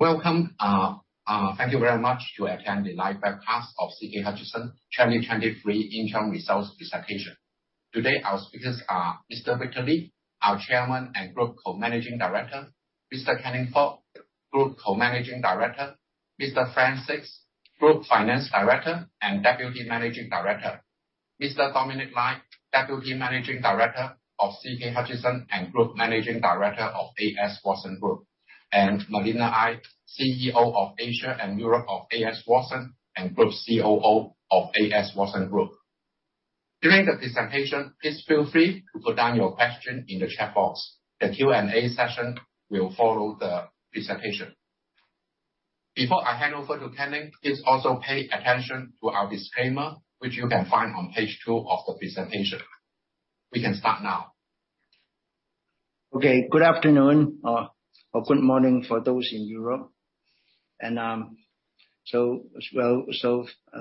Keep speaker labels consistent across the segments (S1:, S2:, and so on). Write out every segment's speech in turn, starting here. S1: Welcome. Thank you very much to attend the live webcast of CK Hutchison 2023 interim results presentation. Today, our speakers are Mr. Victor LI, our Chairman and Group Co-Managing Director; Mr. Canning Fok, Group Co-Managing Director; Mr. Frank Sixt, Group Finance Director and Deputy Managing Director; Mr. Dominic Lai, Deputy Managing Director of CK Hutchison and Group Managing Director of AS Watson Group; and Malina Ngai, CEO of Asia and Europe of AS Watson and Group COO of AS Watson Group. During the presentation, please feel free to put down your question in the chat box. The Q&A session will follow the presentation. Before I hand over to Canning, please also pay attention to our disclaimer, which you can find on page two of the presentation. We can start now.
S2: Okay. Good afternoon, or good morning for those in Europe.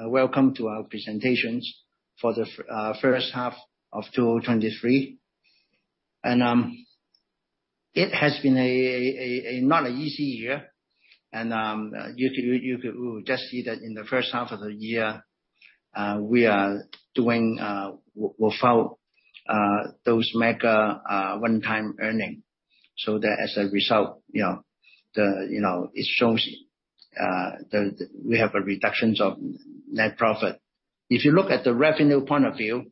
S2: Welcome to our presentations for the first half of 2023. It has been not an easy year. We just see that in the first half of the year, we are doing without those mega, one-time earning. As a result, it shows we have a reduction of net profit. If you look at the revenue point of view,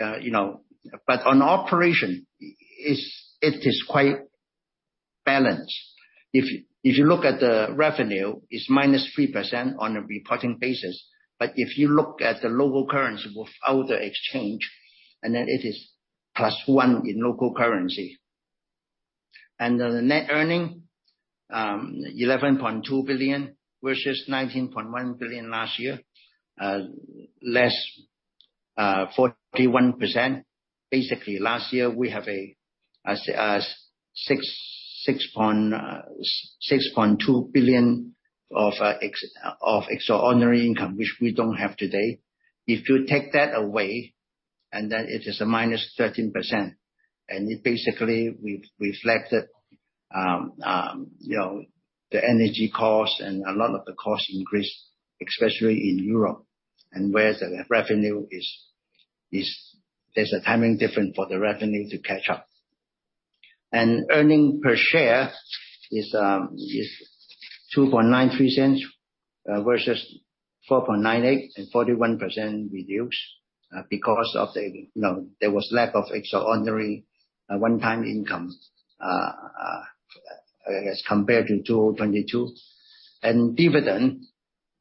S2: on operation, it is quite balanced. If you look at the revenue, it's -3% on a reporting basis, if you look at the local currency without the exchange, it is +1% in local currency. The net earnings, 11.2 billion, versus 19.1 billion last year, less 41%. Basically, last year, we have 6.2 billion of extraordinary income, which we don't have today. If you take that away, then it is -13%, and it basically reflect, you know, the energy costs and a lot of the costs increased, especially in Europe, and where the revenue is. There's a timing difference for the revenue to catch up. Earnings per share is 2.93, versus 4.98 and 41% reduced, because of the, you know, there was lack of extraordinary, one-time income, as compared to 2022. Dividend,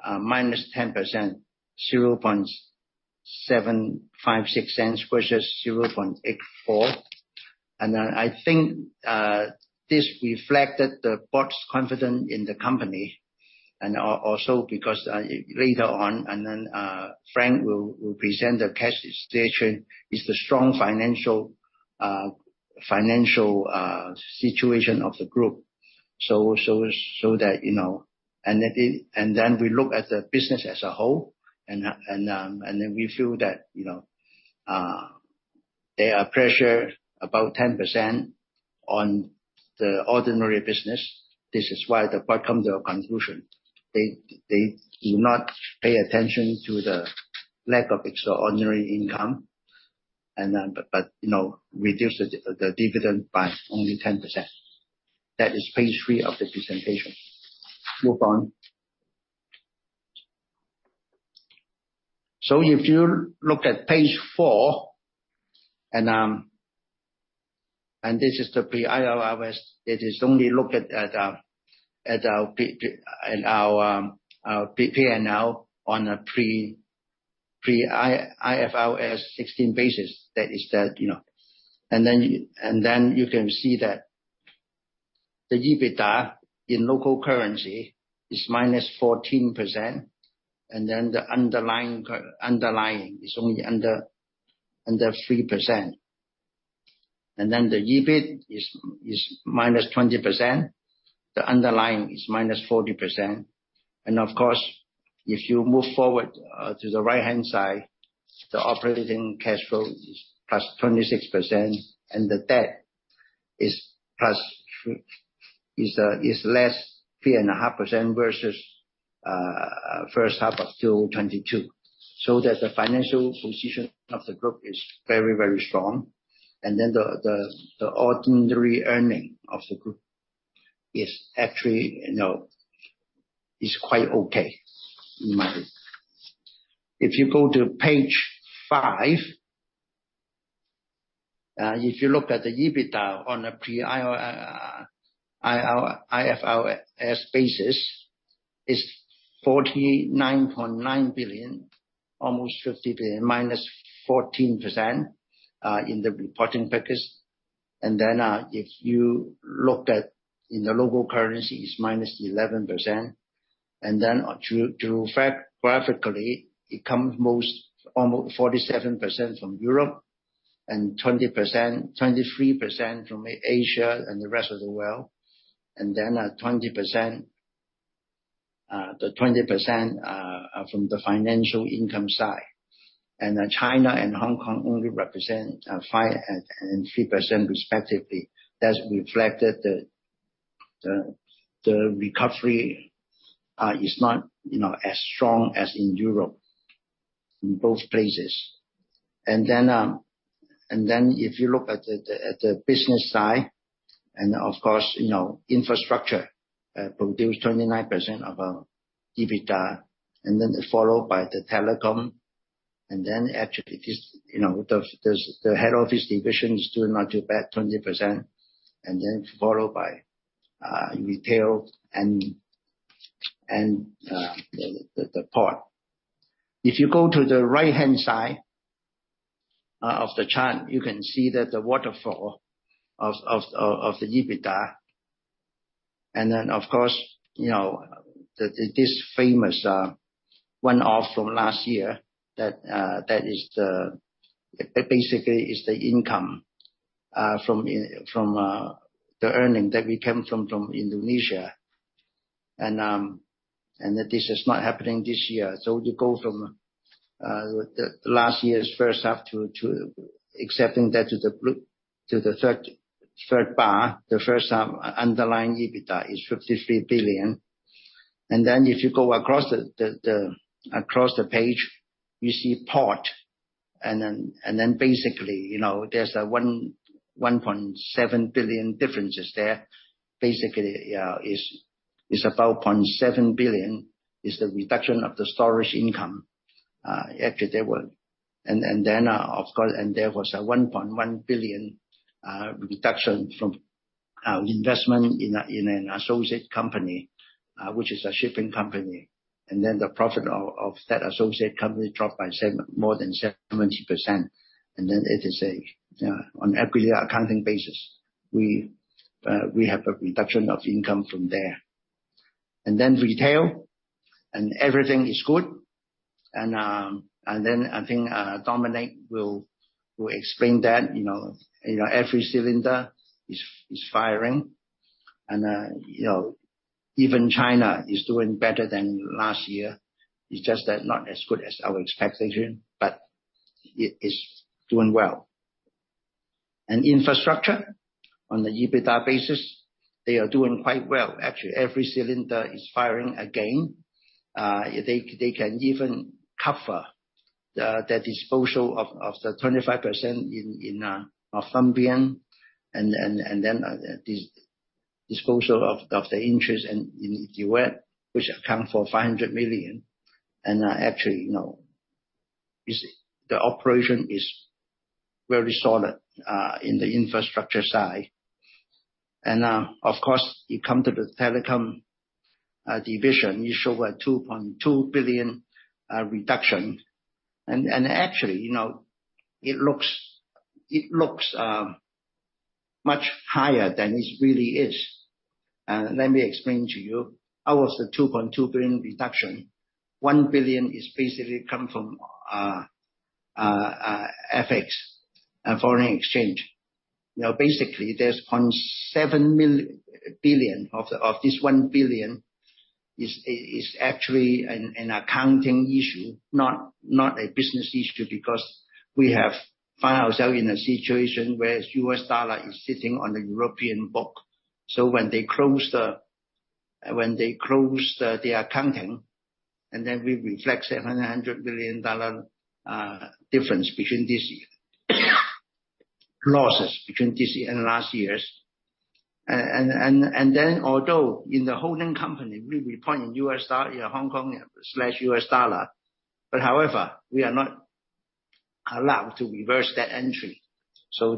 S2: -10%, 0.756, versus 0.84. I think, this reflected the board's confidence in the company, also because, later on, Frank will present the cash situation, is the strong financial situation of the group. That, you know, and then we look at the business as a whole, and then we feel that, you know, there are pressure about 10% on the ordinary business. This is why the board come to a conclusion. They do not pay attention to the lack of extraordinary income and, reduce the dividend by only 10%. That is page three of the presentation. Move on. If you look at page four, and this is the pre-IFRS, it is only looked at as our P&L on a pre-IFRS 16 basis. That is that, you know. Then you can see that the EBITDA in local currency is -14%, and the underlying is only under 3%. The EBIT is -20%. The underlying is -40%. Of course, if you move forward to the right-hand side, the operating cash flow is +26%, and the debt is -3.5% versus first half of 2022. That the financial position of the group is very, very strong. The ordinary earnings of the group is actually, you know, is quite okay in my view. If you go to page five, if you look at the EBITDA on a pre-IFRS basis, is 49.9 billion, almost 50 billion, -14% in the reporting package. If you look at in the local currency, it's -11%. Geographically, it comes most, almost 47% from Europe and 23% from Asia and the rest of the world, 20% from the financial income side. China and Hong Kong only represent 5% and 3% respectively. That's reflected the recovery is not, you know, as strong as in Europe, in both places. If you look at the business side, of course, you know, Infrastructure produce 29% of our EBITDA, followed by the Telecom. Actually this, you know, the Head Office division is doing not too bad, 20%, followed by Retail and the port. If you go to the right-hand side of the chart, you can see that the waterfall of the EBITDA. Of course, you know, this famous one-off from last year, that basically is the income from in, from the earning that we came from, from Indonesia. This is not happening this year. We go from the last year's first half to accepting that to the third, third bar. The first half underlying EBITDA is 53 billion. If you go across the page, you see port. Basically, you know, there's a 1.7 billion differences there. Basically, it's about 0.7 billion, is the reduction of the storage income after they were... Of course, there was a 1.1 billion reduction from investment in an associate company, which is a shipping company. The profit of that associate company dropped by more than 70%. It is on equity accounting basis, we have a reduction of income from there. Retail, everything is good. I think Dominic will explain that, you know, you know, every cylinder is firing. You know, even China is doing better than last year. It's just that not as good as our expectation, but it is doing well. Infrastructure, on the EBITDA basis, they are doing quite well. Actually, every cylinder is firing again. They, they can even cover the disposal of the 25% in Northumbrian, and then disposal of the interest in Equinix, which account for 500 million. Actually, you know, is the operation is very solid in the Infrastructure side. Of course, you come to the Telecom division, you show a 2.2 billion reduction. Actually, you know, it looks, it looks much higher than it really is. Let me explain to you. How was the 2.2 billion reduction? 1 billion is basically come from FX, foreign exchange. Basically, there's 0.7 billion of this 1 billion, is actually an accounting issue, not a business issue. We have found ourself in a situation where U.S. dollar is sitting on the European book. When they close the, when they close the accounting, then we reflect $700 billion difference between this year. Losses between this year and last year's. Although in the holding company, we report in U.S. dollar, in Hong Kong/U.S. dollar, however, we are not allowed to reverse that entry.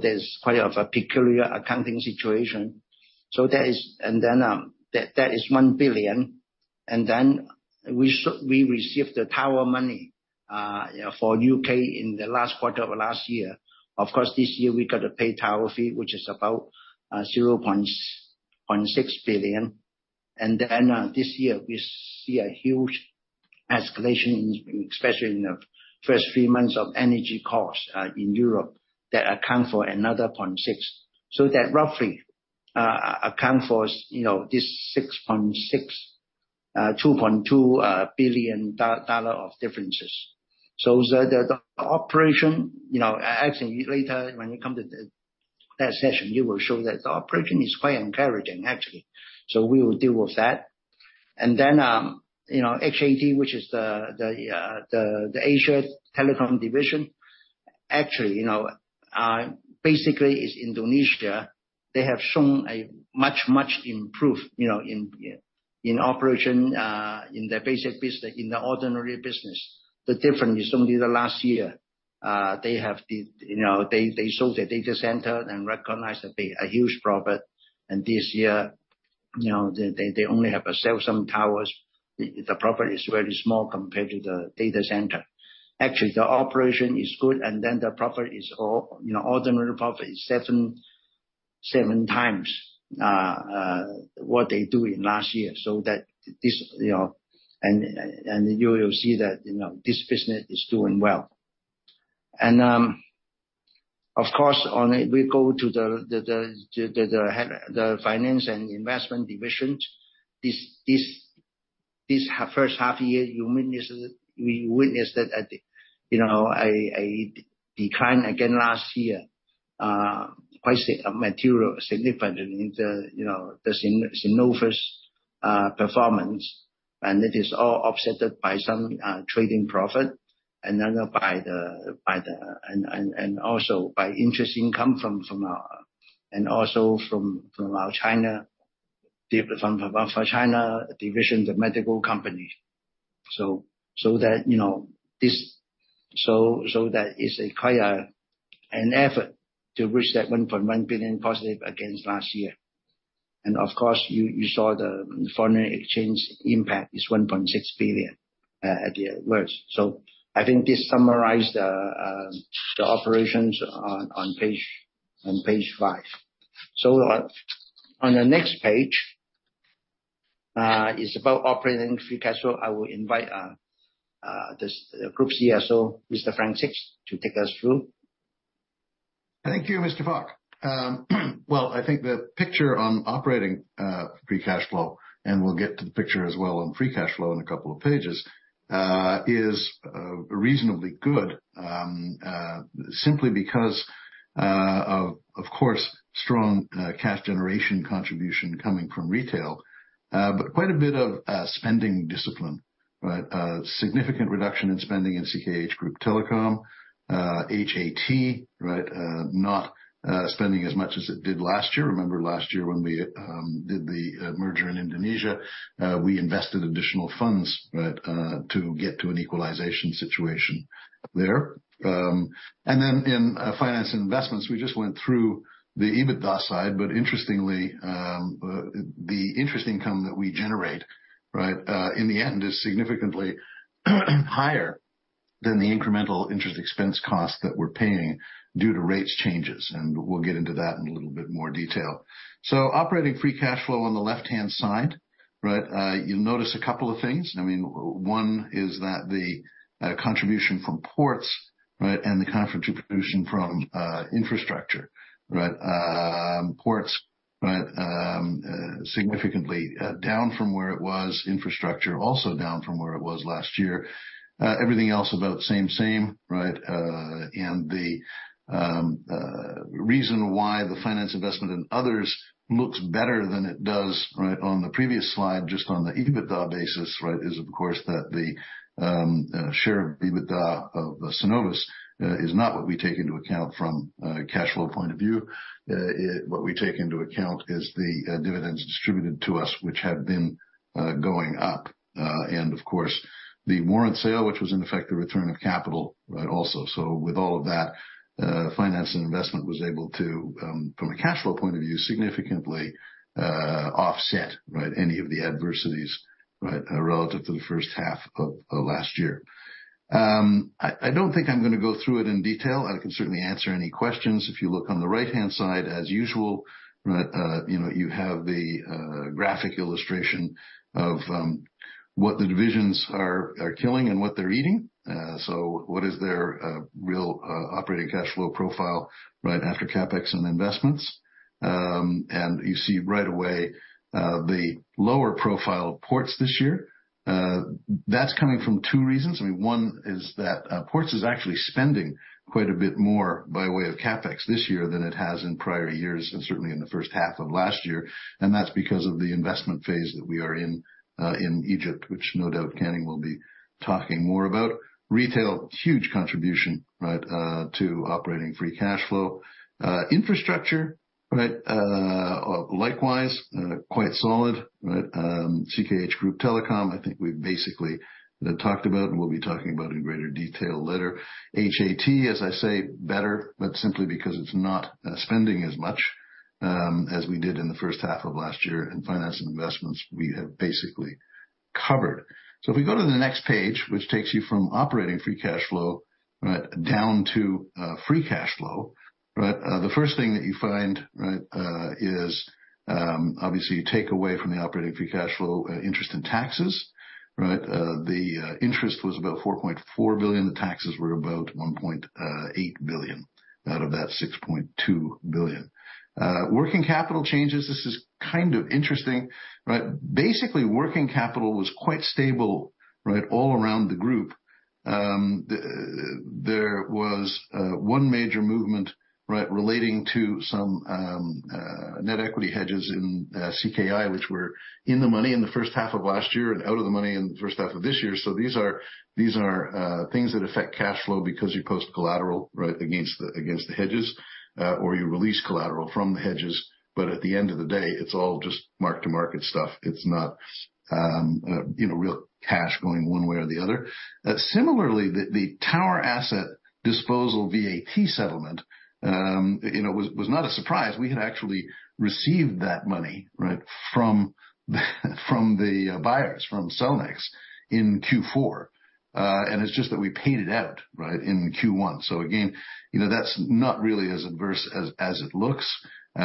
S2: There's quite of a peculiar accounting situation. That is 1 billion. We received the tower money for U.K. in the last quarter of last year. Of course, this year we got to pay tower fee, which is about 0.6 billion. This year, we see a huge escalation in, especially in the first three months of energy costs in Europe, that account for another 0.6 billion. That roughly account for, you know, this 6.6 billion, 2.2 billion dollars of differences. The operation, you know, actually later, when you come to the last session, you will show that the operation is quite encouraging, actually. We will deal with that. Then, you know, HAT, which is the, the, the Asia Telecom division, actually, you know, basically, is Indonesia, they have shown a much, much improved, you know, in operation, in their basic business, in the ordinary business. The difference is only the last year, they have the, you know, they, they sold their data center and recognized that they a huge profit. This year, you know, they, they only have to sell some towers. The, the profit is very small compared to the data center. Actually, the operation is good, then the profit is all, you know, ordinary profit is seven, 7x, what they do in last year. That this, you know, and, and, and you will see that, you know, this business is doing well. Of course, on it, we go to the Finance & Investment division. This first half year, you witnessed, we witnessed that at the, you know, a decline again last year, quite a material significant in the, you know, the Cenovus performance, and it is all offsetted by some trading profit and then by the, and also by interest income from our China division, the medical company. So that, you know, that is quite an effort to reach that 1.1 billion positive against last year. Of course, you, you saw the foreign exchange impact is 1.6 billion at the worst. I think this summarize the, the operations on, on page, on page five. On the next page, is about operating free cash flow. I will invite this Group CSO, Mr. Frank Sixt, to take us through.
S3: Thank you Mr. Fok. Well, I think the picture on operating free cash flow, and we'll get to the picture as well on free cash flow in a couple of pages, is reasonably good, simply because of course, strong cash generation contribution coming from Retail, but quite a bit of spending discipline, right? Significant reduction in spending in CKH Group Telecom, HAT, right? Not spending as much as it did last year. Remember last year when we did the merger in Indonesia, we invested additional funds, right, to get to an equalization situation there In Finance & Investments, we just went through the EBITDA side. Interestingly, the interest income that we generate, right, in the end, is significantly higher than the incremental interest expense cost that we're paying due to rates changes. We'll get into that in a little bit more detail. Operating free cash flow on the left-hand side, right? You'll notice a couple of things. One is that the contribution from ports, right, the contribution from Infrastructure, right? Ports, right, significantly down from where it was. Infrastructure, also down from where it was last year. Everything else about the same, same, right? The reason why the Finance & Investment and others looks better than it does, right, on the previous slide, just on the EBITDA basis, right, is, of course, that the share of EBITDA of Cenovus is not what we take into account from a cash flow point of view. What we take into account is the dividends distributed to us, which have been going up, and of course, the warrant sale, which was, in effect, the return of capital, right, also. With all of that, Finance & Investment was able to, from a cash flow point of view, significantly offset, right, any of the adversities, right, relative to the first half of last year. I don't think I'm gonna go through it in detail. I can certainly answer any questions. If you look on the right-hand side, as usual, you know, you have the graphic illustration of what the divisions are killing and what they're eating. What is their real operating cash flow profile right after CapEx and investments? You see right away the lower profile Ports this year. That's coming from two reasons. I mean, one is that Ports is actually spending quite a bit more by way of CapEx this year than it has in prior years, and certainly in the first half of last year, and that's because of the investment phase that we are in in Egypt, which no doubt Canning will be talking more about. Retail, huge contribution to operating free cash flow. Infrastructure, likewise, quite solid. CKH Group Telecom, I think we've basically talked about and we'll be talking about in greater detail later. HAT, as I say, better, but simply because it's not spending as much as we did in the first half of last year. Finance & Investments we have basically covered. If we go to the next page, which takes you from operating free cash flow, down to free cash flow. The first thing that you find is obviously, you take away from the operating free cash flow, interest and taxes. The interest was about 4.4 billion. The taxes were about 1.8 billion, out of that 6.2 billion. Working capital changes, this is kind of interesting. Basically, working capital was quite stable all around the group. There was 1 major movement, right, relating to some net equity hedges in CKI, which were in the money in the first half of last year and out of the money in the first half of this year. These are, these are, things that affect cash flow because you post collateral, right, against the, against the hedges, or you release collateral from the hedges, but at the end of the day, it's all just mark-to-market stuff. It's not, you know, real cash going 1 way or the other. Similarly, the tower asset disposal VAT settlement, you know, was, was not a surprise. We had actually received that money, right, from the buyers, from Cellnex in Q4. It's just that we paid it out, right, in Q1. Again, you know, that's not really as adverse as it looks.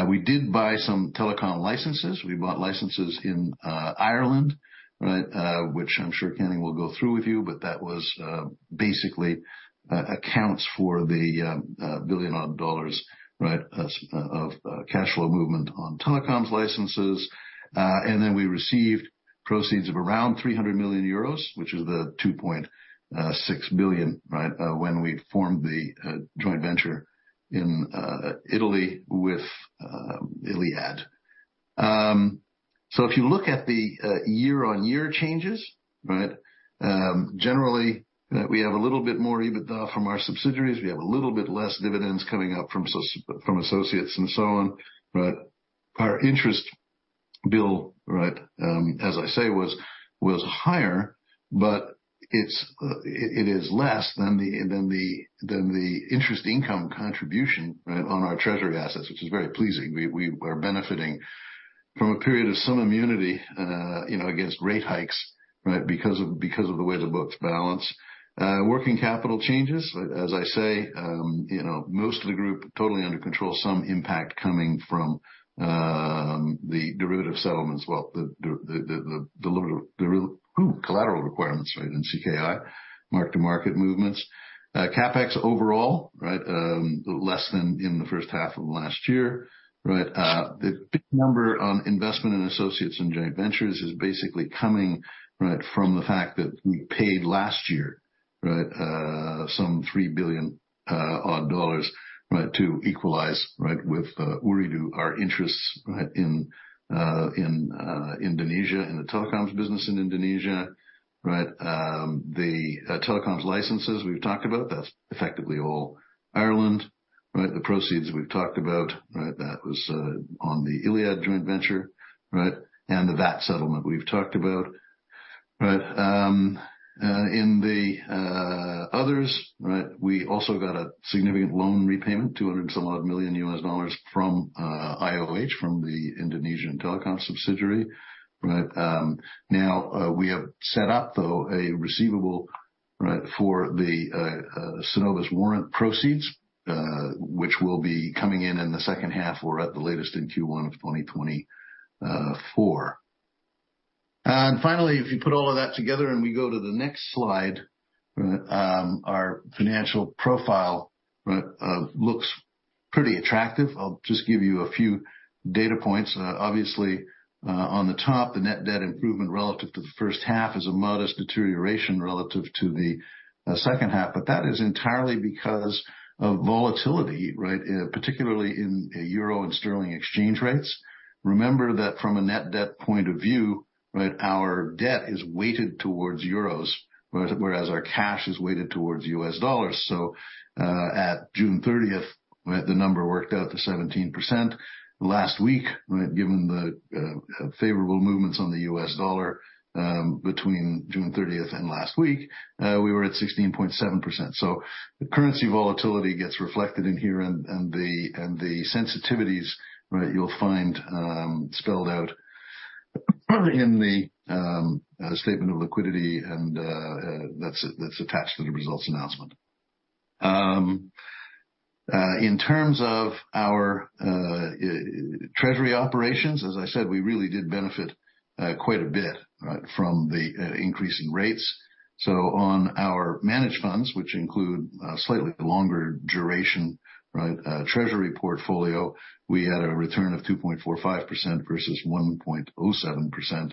S3: We did buy some telecom licenses. We bought licenses in Ireland, right? Which I'm sure Canning will go through with you, but that was basically accounts for the 1 billion odd dollars, right, of cashflow movement on telecoms licenses. Then we received proceeds of around 300 million euros, which is the 2.6 billion, right, when we formed the joint venture in Italy with Iliad. If you look at the year-on-year changes, right, generally, we have a little bit more EBITDA from our subsidiaries. We have a little bit less dividends coming up from associates and so on, right? Our interest bill, right, as I say, was, was higher, but it's, it, it is less than the, than the, than the interest income contribution, right, on our treasury assets, which is very pleasing. We, we are benefiting from a period of some immunity, you know, against rate hikes, right, because of, because of the way the books balance. Working capital changes, as I say, you know, most of the group totally under control, some impact coming from, the derivative settlements. Well, the, the, the, the, the collateral requirements, right, in CKI, mark-to-market movements. CapEx overall, right, less than in the first half of 2022, right? The big number on investment in associates and joint ventures is basically coming, right, from the fact that we paid last year, right, some $3 billion odd dollars, right, to equalize, right, with Ooredoo, our interests, right, in Indonesia, in the Telecoms business in Indonesia, right? The telecoms licenses we've talked about, that's effectively all Ireland, right? The proceeds we've talked about, right? That was on the Iliad joint venture, right, and the VAT settlement we've talked about. In the others, right, we also got a significant loan repayment, $200 and some odd million U.S. dollars from IOH, from the Indonesian Telecom subsidiary, right? Now, we have set up, though, a receivable for the Cenovus warrant proceeds, which will be coming in in the second half or at the latest in Q1 of 2024. Finally, if you put all of that together and we go to the next slide, our financial profile looks pretty attractive. I'll just give you a few data points. Obviously, on the top, the net debt improvement relative to the first half is a modest deterioration relative to the second half, but that is entirely because of volatility, particularly in the euro and sterling exchange rates. Remember that from a net debt point of view, our debt is weighted towards euros, whereas our cash is weighted towards U.S. dollars. At June 30th, right, the number worked out to 17%. Last week, right, given the favorable movements on the U.S. dollar, between June 30th and last week, we were at 16.7%. The currency volatility gets reflected in here and, and the, and the sensitivities, right, you'll find spelled out, in the statement of liquidity, and that's, that's attached to the results announcement. In terms of our treasury operations, as I said, we really did benefit quite a bit, right, from the increase in rates. On our managed funds, which include a slightly longer duration, right, treasury portfolio, we had a return of 2.45% versus 1.07%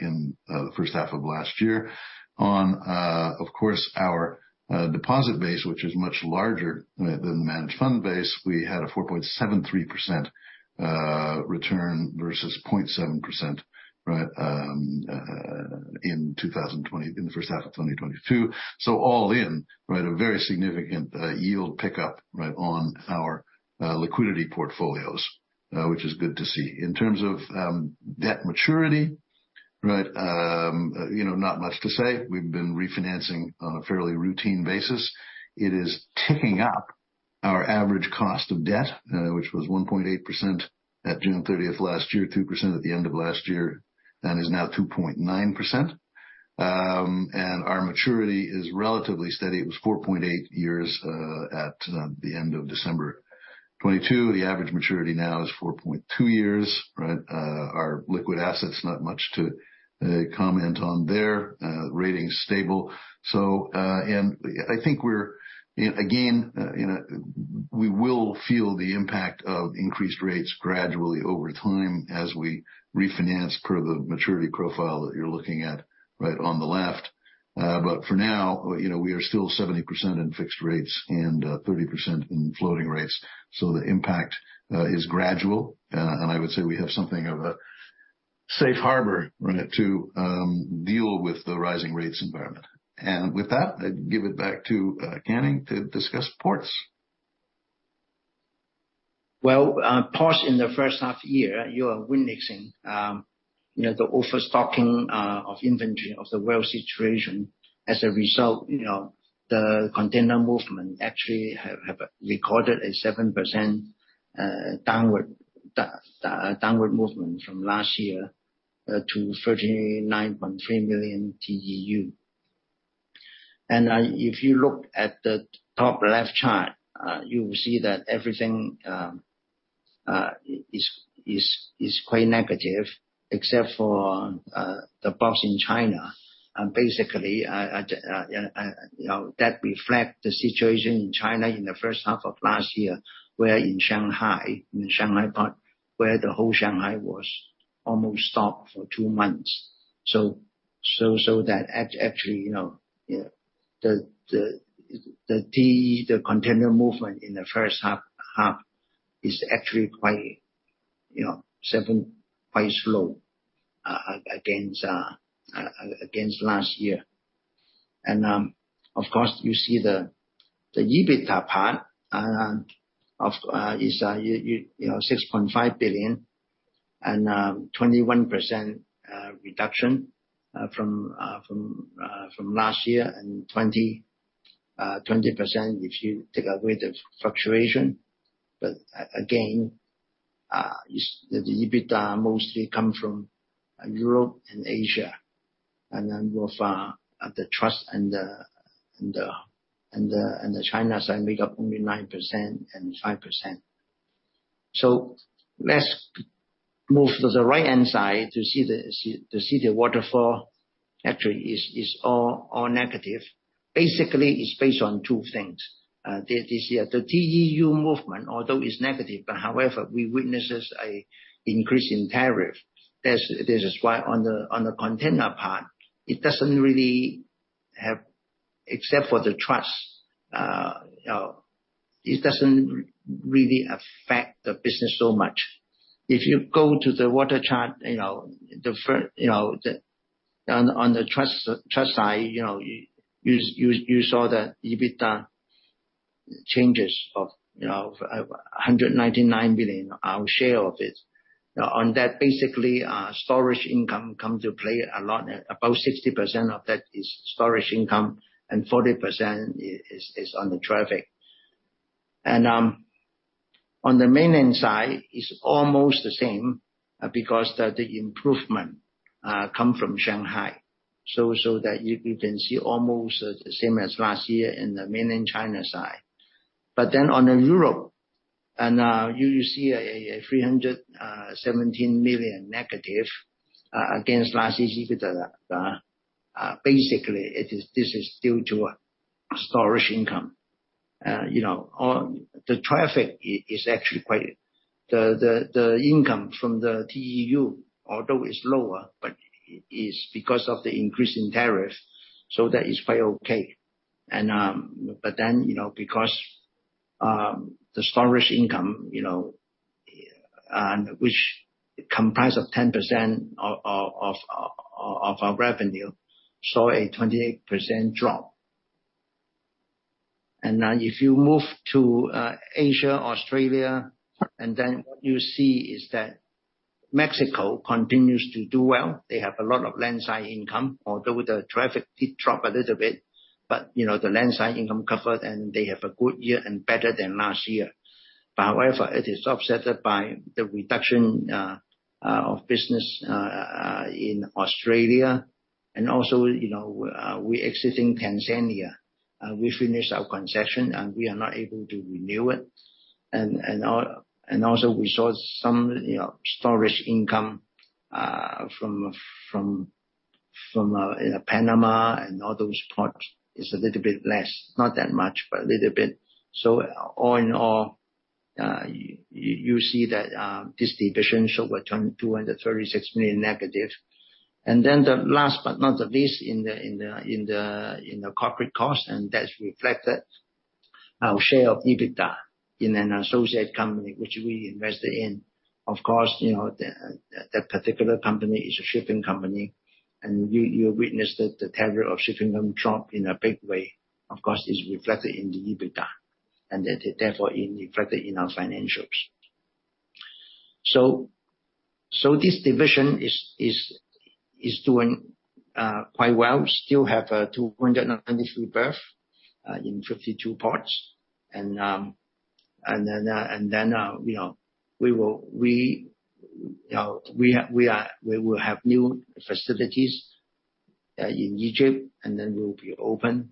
S3: in the first half of 2022. On, of course, our deposit base, which is much larger than the managed fund base, we had a 4.73% return versus 0.7%, right, in the first half of 2022. All in, right, a very significant yield pickup, right, on our liquidity portfolios, which is good to see. In terms of debt maturity, right, you know, not much to say. We've been refinancing on a fairly routine basis. It is ticking up our average cost of debt, which was 1.8% at June 30th last year, 2% at the end of last year, that is now 2.9%. And our maturity is relatively steady. It was 4.8 years, at the end of December 2022. The average maturity now is 4.2 years, right? Our liquid assets, not much to comment on there. Rating's stable. And I think we're, again, you know, we will feel the impact of increased rates gradually over time as we refinance per the maturity profile that you're looking at, right on the left. But for now, you know, we are still 70% in fixed rates and 30% in floating rates, so the impact is gradual. And I would say we have something of a safe harbor, right, to deal with the rising rates environment. With that, I'd give it back to Canning to discuss ports.
S2: Well, Ports in the first half year, you are witnessing, you know, the overstocking of inventory, of the well situation. As a result, you know, the container movement actually have, have recorded a 7% downward movement from last year to 39.3 million TEU. If you look at the top left chart, you will see that everything is, is, is quite negative, except for the box in China. Basically, you know, that reflect the situation in China in the first half of last year, where in Shanghai, in the Shanghai part, where the whole Shanghai was almost stopped for two months. actually, you know, the container movement in the first half is actually quite, you know, quite slow against last year. Of course, you see the EBITDA part of is, you know, 6.5 billion and 21% reduction from last year, and 20% if you take away the fluctuation. Again, is the EBITDA mostly come from Europe and Asia, and then more far at the trust and the China side make up only 9% and 5%. Let's move to the right-hand side to see the waterfall actually is all negative. Basically, it's based on two things. This year, the TEU movement, although it's negative, however, we witnesses a increase in tariff. That's. This is why on the, on the container part, it doesn't really have. Except for the trust, you know, it doesn't really affect the business so much. If you go to the waterfall chart, you know, you know, the, on, on the trust, trust side, you know, you, you, you saw the EBITDA changes of, you know, 199 billion, our share of it. Now, on that, basically, storage income come to play a lot. About 60% of that is storage income, and 40% is, is on the traffic. On the mainland side, it's almost the same, because the improvement come from Shanghai. That you, you can see almost the same as last year in the mainland China side. On the Europe, you see a 317 million negative against last year's EBITDA. Basically, this is due to a storage income. You know, the traffic is actually quite the income from the TEU, although is lower, but is because of the increase in tariff, so that is quite okay. You know, because the storage income, you know, which comprise of 10% of our revenue, saw a 28% drop. Now, if you move to Asia, Australia, and then what you see is that Mexico continues to do well. They have a lot of landside income, although the traffic did drop a little bit. You know, the landside income covered, and they have a good year and better than last year. However, it is offset by the reduction of business in Australia, and also, you know, we exiting Tanzania. We finished our concession, and we are not able to renew it. Also, we saw some, you know, storage income from, from, from Panama and all those ports. It's a little bit less. Not that much, but a little bit. All in all, you, you see that this division showed a 236 million negative. Then the last, but not the least, in the corporate cost, that's reflected our share of EBITDA in an associate company which we invested in. Of course, you know, that particular company is a shipping company, and you, you witnessed that the tariff of shipping them drop in a big way. Of course, it's reflected in the EBITDA, and then therefore, it reflected in our financials. This division is doing quite well. We still have 293 berths in 52 ports. You know, we will have new facilities in Egypt, and then we'll be open.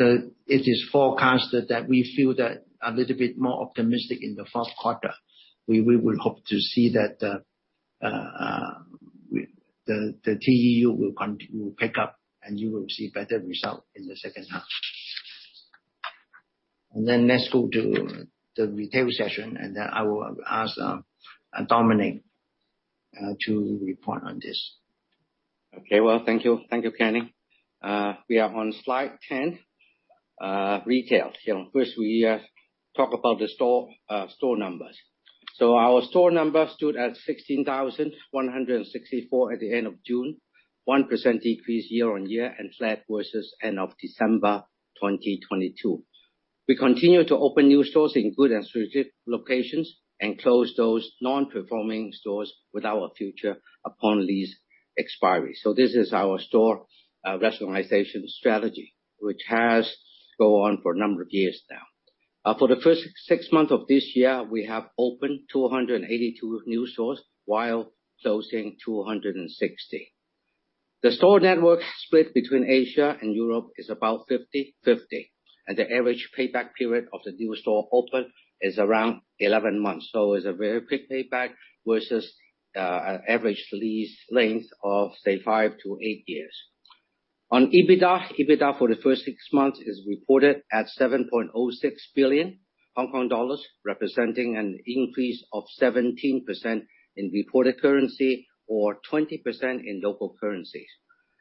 S2: It is forecasted that we feel that a little bit more optimistic in the fourth quarter. We would hope to see that the TEU will pick up, and you will see better results in the second half. Let's go to the Retail session, and then I will ask Dominic to report on this.
S4: Okay. Well, thank you. Thank you, Canning. We are on slide 10, Retail. Here, first, we talk about the store numbers. Our store number stood at 16,164 at the end of June, 1% decrease year-on-year and flat versus end of December 2022. We continue to open new stores in good and strategic locations, and close those non-performing stores without a future upon lease expiry. This is our store rationalization strategy, which has gone on for a number of years now. For the first six months of this year, we have opened 282 new stores, while closing 260. The store network split between Asia and Europe is about 50/50, and the average payback period of the new store open is around 11 months. It's a very quick payback versus an average lease length of, say, five to eight years. On EBITDA, EBITDA for the first six months is reported at 7.06 billion Hong Kong dollars, representing an increase of 17% in reported currency, or 20% in local currencies.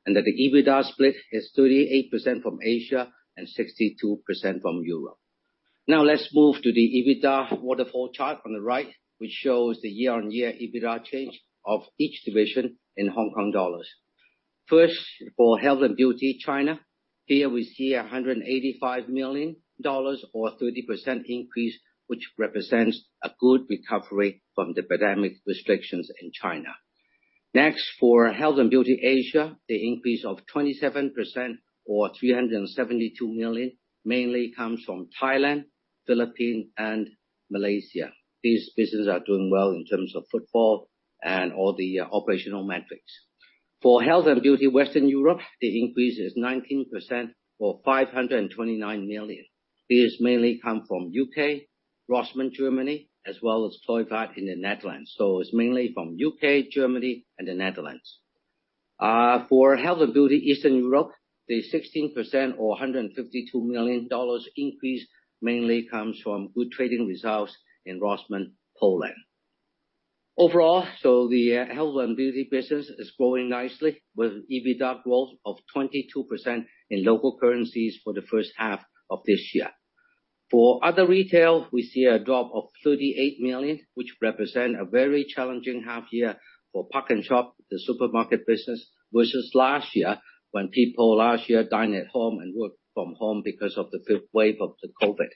S4: That the EBITDA split is 38% from Asia and 62% from Europe. Let's move to the EBITDA waterfall chart on the right, which shows the year-on-year EBITDA change of each division in Hong Kong dollars. First, for Health & Beauty China, here we see 185 million dollars or 30% increase, which represents a good recovery from the pandemic restrictions in China. Next, for Health & Beauty Asia, the increase of 27% or 372 million, mainly comes from Thailand, Philippines, and Malaysia. These businesses are doing well in terms of footfall and all the operational metrics. For Health & Beauty Western Europe, the increase is 19% or 529 million. This mainly come from U.K., Rossmann, Germany, as well as Kruidvat in the Netherlands, so it's mainly from U.K., Germany, and the Netherlands. For Health & Beauty Eastern Europe, the 16% or 152 million dollars increase mainly comes from good trading results in Rossmann, Poland. Overall, the Health & Beauty business is growing nicely, with EBITDA growth of 22% in local currencies for the first half of this year. For other Retail, we see a drop of 38 million, which represent a very challenging half year for PARKnSHOP, the supermarket business, versus last year, when people last year dine at home and work from home because of the fifth wave of the COVID.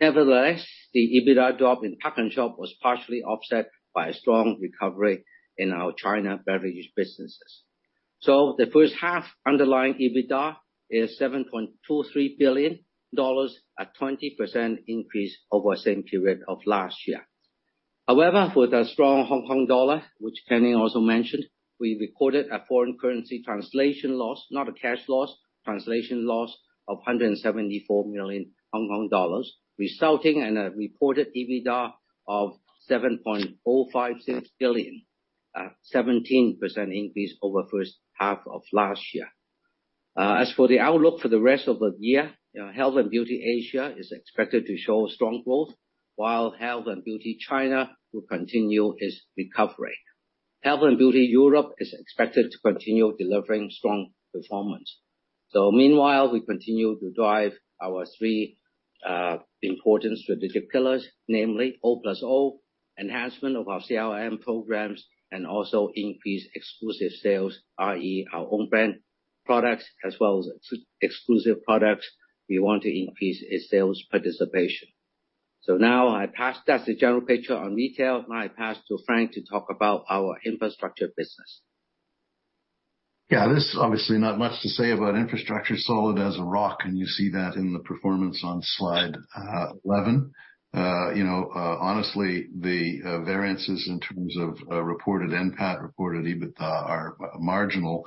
S4: Nevertheless, the EBITDA drop in PARKnSHOP was partially offset by a strong recovery in our China beverage businesses. The first half underlying EBITDA is 7.23 billion dollars, a 20% increase over the same period of last year. However, with a strong Hong Kong dollar, which Canning also mentioned, we recorded a foreign currency translation loss, not a cash loss, translation loss of 174 million Hong Kong dollars, resulting in a reported EBITDA of 7.056 billion, a 17% increase over first half of last year. As for the outlook for the rest of the year, Health & Beauty Asia is expected to show strong growth, while Health & Beauty China will continue its recovery. Health & Beauty Europe is expected to continue delivering strong performance. Meanwhile, we continue to drive our three important strategic pillars, namely, O+O, enhancement of our CLM programs, and also increase exclusive sales, i.e., our own brand products, as well as exclusive products. We want to increase its sales participation. That's the general picture on Retail. Now I pass to Frank to talk about our Infrastructure business.
S3: Yeah, there's obviously not much to say about Infrastructure, solid as a rock, and you see that in the performance on slide 11. You know, honestly, the variances in terms of reported NPAT, reported EBITDA, are marginal,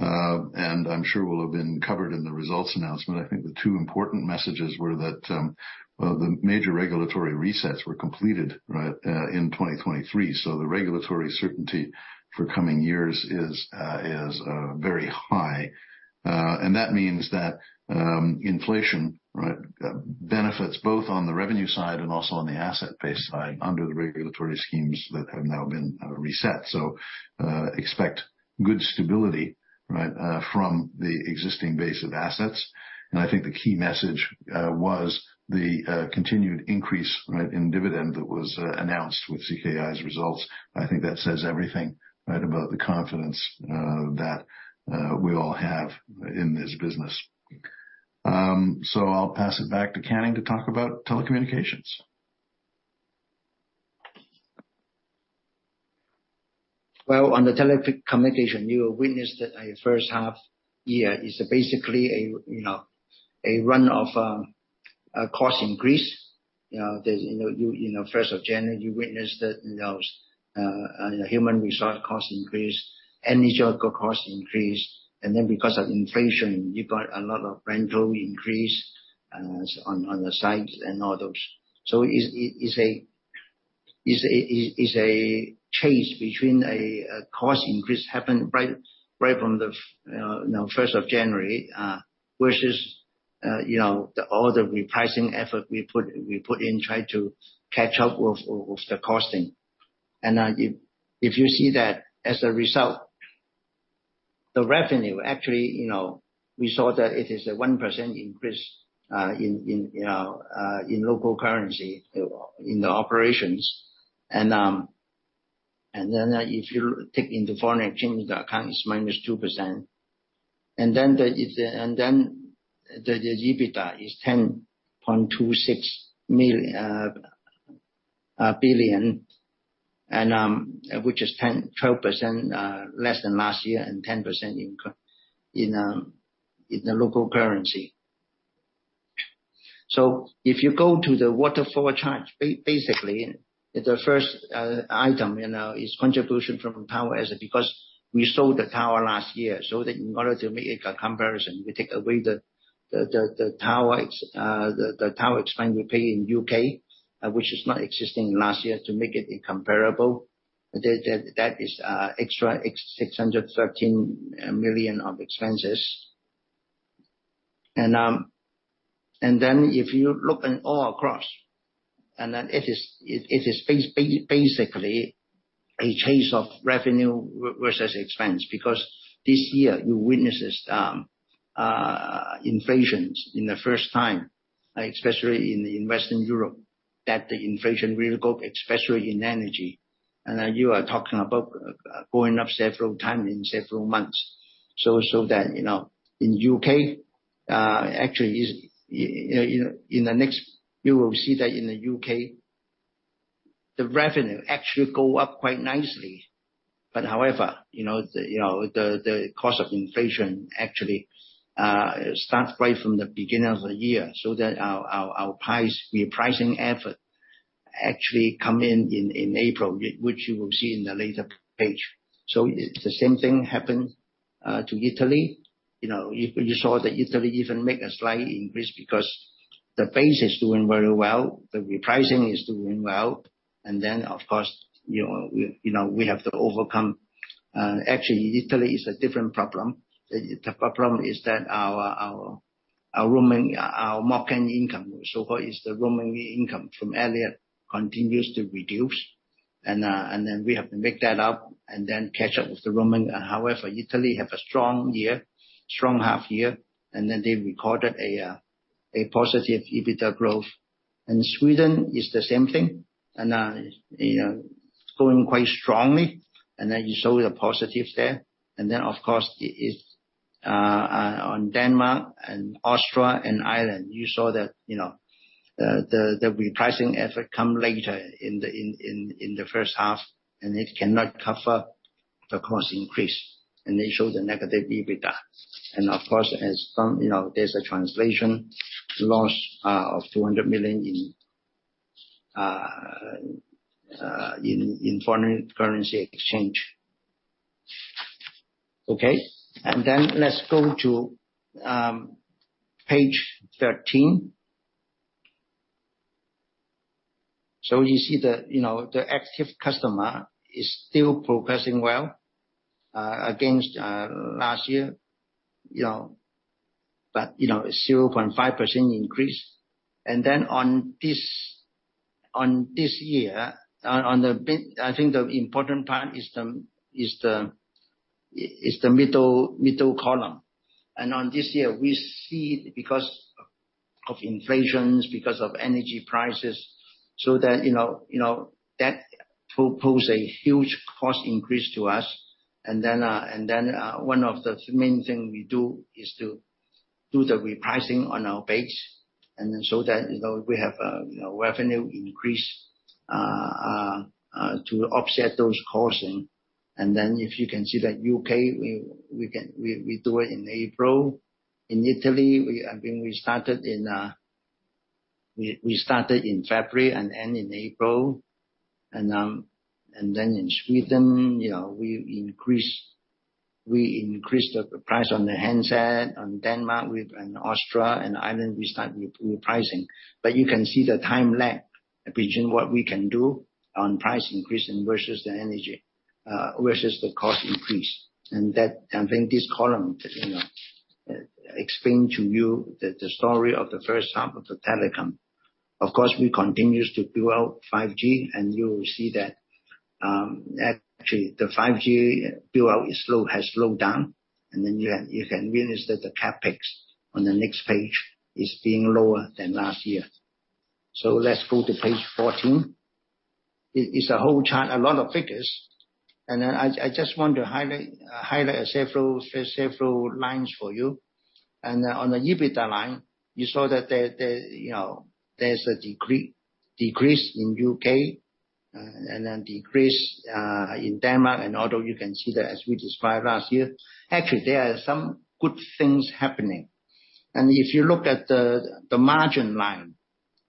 S3: and I'm sure will have been covered in the results announcement. I think the two important messages were that, well, the major regulatory resets were completed, right, in 2023, so the regulatory certainty for coming years is very high. And that means that inflation, right, benefits both on the revenue side and also on the asset base side, under the regulatory schemes that have now been reset. Expect good stability, right, from the existing base of assets. I think the key message was the continued increase, right, in dividend that was announced with CKI's results. I think that says everything, right, about the confidence that we all have in this business. I'll pass it back to Canning to talk about Telecommunications.
S2: Well, on the Telecommunication, you will witness that our first half year is basically a, you know, a run of a cost increase. You know, there's, you know, you, you know, first of January, you witnessed that, you know, human resource costs increase, energy cost increase, and then because of inflation, you got a lot of rental increase on, on the sites and all those. It's, it's a, is a, is, is a change between a cost increase happened right, right from the, you know, first of January, versus, you know, the, all the repricing effort we put, we put in, try to catch up with, with the costing. If, if you see that as a result, the revenue, actually, you know, we saw that it is a 1% increase, in, in, you know, in local currency, in the operations. And. If you take into foreign exchange account, it's -2%. The EBITDA is 10.26 billion, which is 12% less than last year, and 10% increase in the local currency. If you go to the waterfall chart, the first item, you know, is contribution from tower asset, because we sold the tower last year. In order to make a comparison, we take away the tower expense we pay in U.K., which is not existing last year, to make it comparable. That is extra 613 million of expenses. If you look in all across, then it is basically a chase of revenue versus expense, because this year you witnessed inflations in the first time, especially in Western Europe, that the inflation really go, especially in energy. You are talking about going up several times in several months. You know, in U.K., actually is, you know, you will see that in the U.K., the revenue actually go up quite nicely. You know, the, you know, the, the cost of inflation actually starts right from the beginning of the year, so that our, our, our price, repricing effort actually come in April, which you will see in the later page. The same thing happened to Italy. You know, you, you saw that Italy even make a slight increase because the base is doing very well, the repricing is doing well. Of course, you know, we, you know, we have to overcome. Actually, Italy is a different problem. The, the problem is that our, our, our roaming, our marketing income, so-called, is the roaming income from Iliad, continues to reduce. Then we have to make that up and then catch up with the roaming. However, Italy have a strong year, strong half year, and then they recorded a positive EBITDA growth. Sweden is the same thing, and, you know, it's going quite strongly, and then you saw the positives there. Of course, it is on Denmark and Austria and Ireland, you saw that, you know, the repricing effort come later in the first half, and it cannot cover the cost increase, and they show the negative EBITDA. Of course, as some, you know, there's a translation loss of 200 million in foreign currency exchange. Let's go to page 13. You see the, you know, the active customer is still progressing well against last year, you know. 0.5% increase. On this, on this year, I think the important part is the middle column. On this year, we see because of inflation, because of energy prices, so that, you know, you know, that pose a huge cost increase to us. One of the main thing we do, is to do the repricing on our base, and then so that, you know, we have, you know, revenue increase, to offset those costing. If you can see that U.K., we do it in April. In Italy, I mean, we started in February and end in April. In Sweden, you know, we increased the price on the handset. On Denmark, Austria and Ireland, we start repricing. You can see the time lag between what we can do on price increasing versus the energy versus the cost increase. That, I think this column, you know, explain to you that the story of the first half of the Telecom. Of course, we continues to build out 5G, and you will see that, actually, the 5G build out has slowed down, and then you can, you can witness that the CapEx on the next page is being lower than last year. Let's go to page 14. It's, it's a whole chart, a lot of figures. I, I just want to highlight several lines for you. On the EBITDA line, you saw that there, there, you know, there's a decrease in U.K., and then decrease in Denmark. Although you can see that as we described last year, actually, there are some good things happening. If you look at the margin line,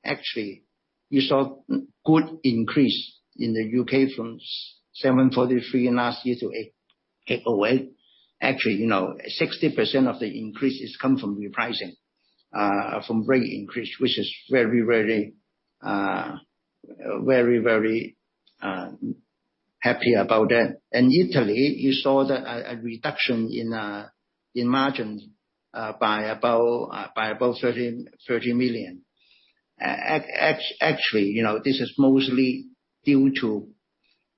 S2: actually, you saw good increase in the U.K. from 743 last year to 808. Actually, you know, 60% of the increases come from repricing from rate increase, which is very, very happy about that. Italy, you saw that a reduction in margins by about 30 million. Actually, you know, this is mostly due to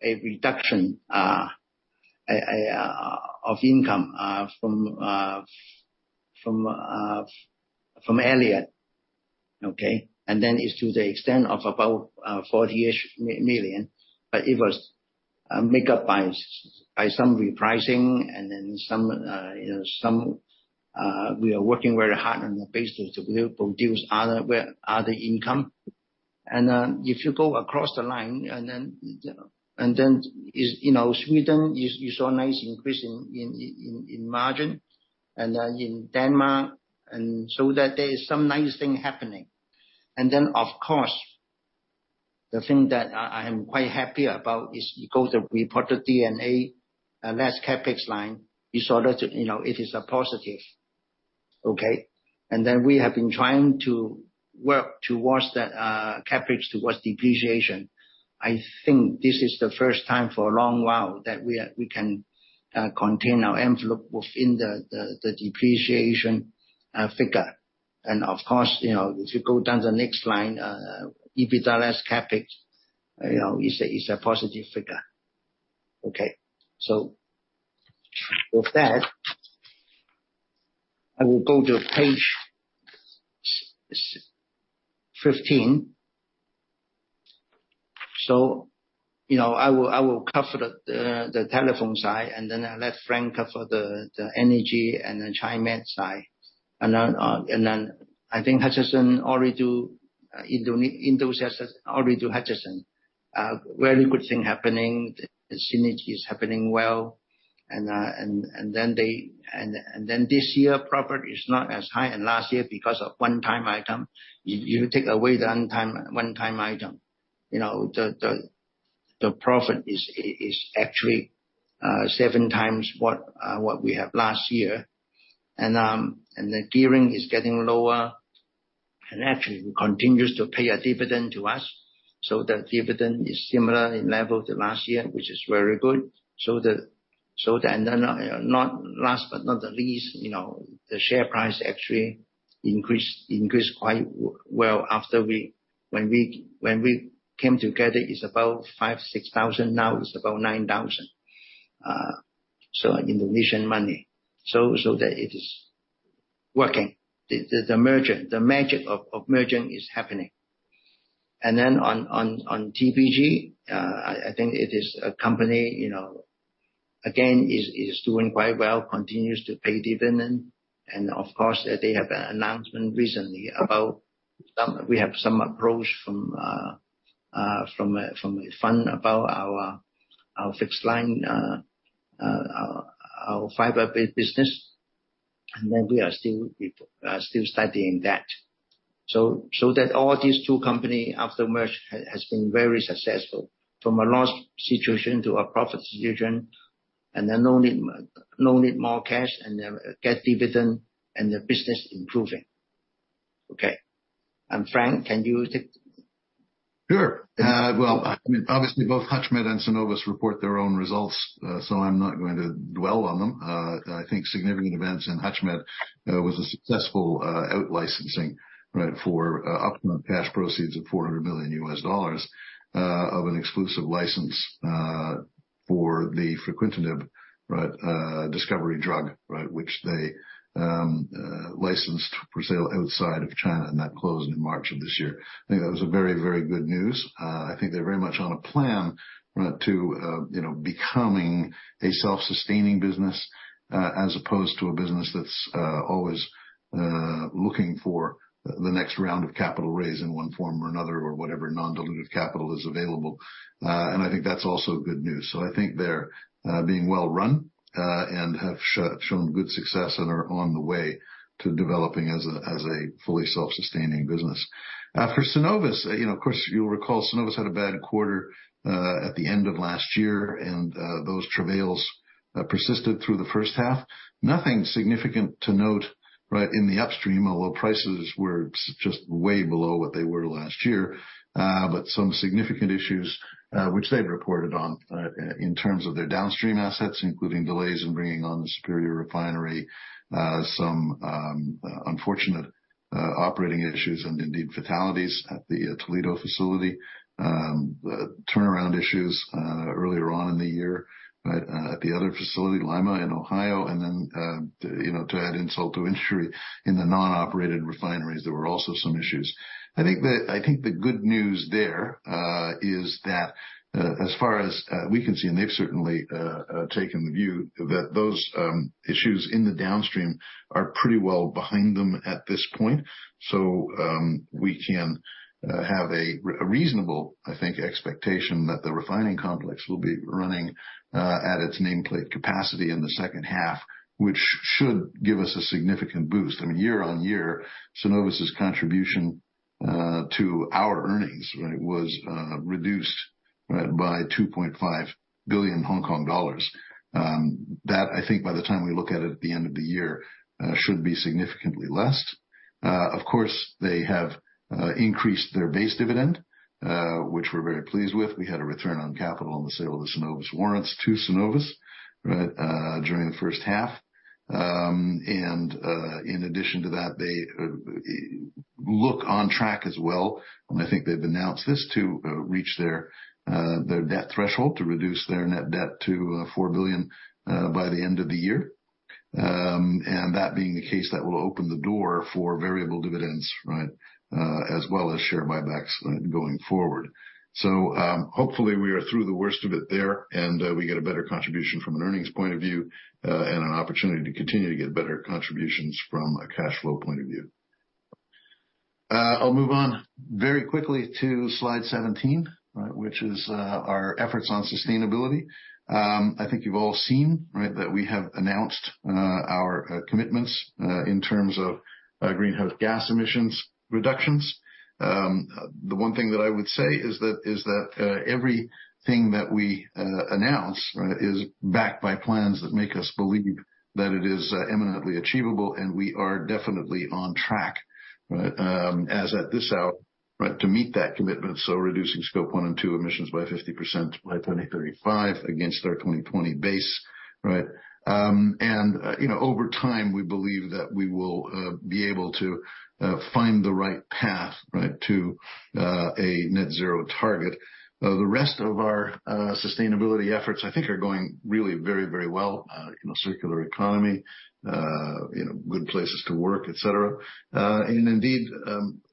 S2: a reduction of income from Iliad. Okay. It's to the extent of about 40-ish million, but it was make up by some repricing and then some, you know, some, we are working very hard on the basis to be able to produce other income. If you go across the line, and then, and then is, you know, Sweden, you saw a nice increase in, in, in, in margin, and then in Denmark, and so that there is some nice thing happening. Of course, the thing that I am quite happy about is you go to report the DNA, and less CapEx line, you saw that, you know, it is a positive. Okay? We have been trying to work towards that, CapEx towards depreciation. I think this is the first time for a long while that we can contain our envelope within the depreciation figure. Of course, you know, if you go down the next line, EBITDA less CapEx, you know, it's a positive figure. Okay. With that, I will go to page 15. You know, I will cover the telephone side, and then I'll let Frank cover the energy and the Chi-Med side. Then, and then I think Hutchison already do Indosat already do Hutchison. Very good thing happening. The synergy is happening well, and then this year, profit is not as high as last year because of one-time item. If you take away the one-time item, you know, the profit is actually 7x what we have last year. The gearing is getting lower, and actually continues to pay a dividend to us. The dividend is similar in level to last year, which is very good. Last, but not the least, you know, the share price actually increased, increased quite well after we when we, when we came together, it's about 5,000-6,000. Now, it's about 9,000, so in Indonesian money. That it is working. The merger, the magic of merging is happening. On TPG, I think it is a company, you know, again, is doing quite well, continues to pay dividend. Of course, they have an announcement recently about some-- we have some approach from a fund about our, our fixed line, our fiber-based business, and then we are still studying that. So that all these two company after merge has been very successful, from a loss situation to a profit situation, and then no need, no need more cash and get dividend and the business improving. Okay. Frank, can you take?
S3: Sure. Well, I mean, obviously, both HUTCHMED and Cenovus report their own results, so I'm not going to dwell on them. I think significant events in HUTCHMED was a successful out licensing, right? For optimum cash proceeds of $400 million, of an exclusive license for the fruquintinib, right, discovery drug, right? Which they licensed for sale outside of China, and that closed in March of this year. I think that was a very, very good news. I think they're very much on a plan to, you know, becoming a self-sustaining business as opposed to a business that's always looking for the next round of capital raise in one form or another, or whatever non-dilutive capital is available. I think that's also good news. I think they're being well run and have shown good success and are on the way to developing as a fully self-sustaining business. For Cenovus, you know, of course, you'll recall, Cenovus had a bad quarter at the end of last year, and those travails persisted through the first half. Nothing significant to note, right, in the upstream, although prices were just way below what they were last year. Some significant issues, which they'd reported on, in terms of their downstream assets, including delays in bringing on the Superior Refinery, some unfortunate operating issues and indeed, fatalities at the Toledo facility. Turnaround issues earlier on in the year at the other facility, Lima in Ohio. Then, you know, to add insult to injury, in the non-operated refineries, there were also some issues. I think the, I think the good news there is that, as far as we can see, and they've certainly taken the view, that those issues in the downstream are pretty well behind them at this point. We can have a reasonable, I think, expectation that the refining complex will be running at its nameplate capacity in the second half, which should give us a significant boost. I mean, year on year, Cenovus' contribution to our earnings, right, was reduced, right, by 2.5 billion Hong Kong dollars. That, I think by the time we look at it at the end of the year, should be significantly less. Of course, they have increased their base dividend, which we're very pleased with. We had a return on capital on the sale of the Cenovus warrants to Cenovus, right, during the first half. In addition to that, they look on track as well, and I think they've announced this, to reach their debt threshold, to reduce their net debt to 4 billion by the end of the year. That being the case, that will open the door for variable dividends, right? As well as share buybacks going forward. Hopefully, we are through the worst of it there, and we get a better contribution from an earnings point of view, and an opportunity to continue to get better contributions from a cash flow point of view. I'll move on very quickly to slide 17, right, which is our efforts on sustainability. I think you've all seen, right, that we have announced our commitments in terms of greenhouse gas emissions reductions. The one thing that I would say is that, is that everything that we announce, right, is backed by plans that make us believe that it is imminently achievable, and we are definitely on track, right, as at this hour, right, to meet that commitment. Reducing scope one and two emissions by 50% by 2035 against our 2020 base, right? And, you know, over time, we believe that we will be able to find the right path, right, to a net zero target. The rest of our sustainability efforts, I think, are going really very, very well. You know, circular economy, you know, good places to work, et cetera. And indeed,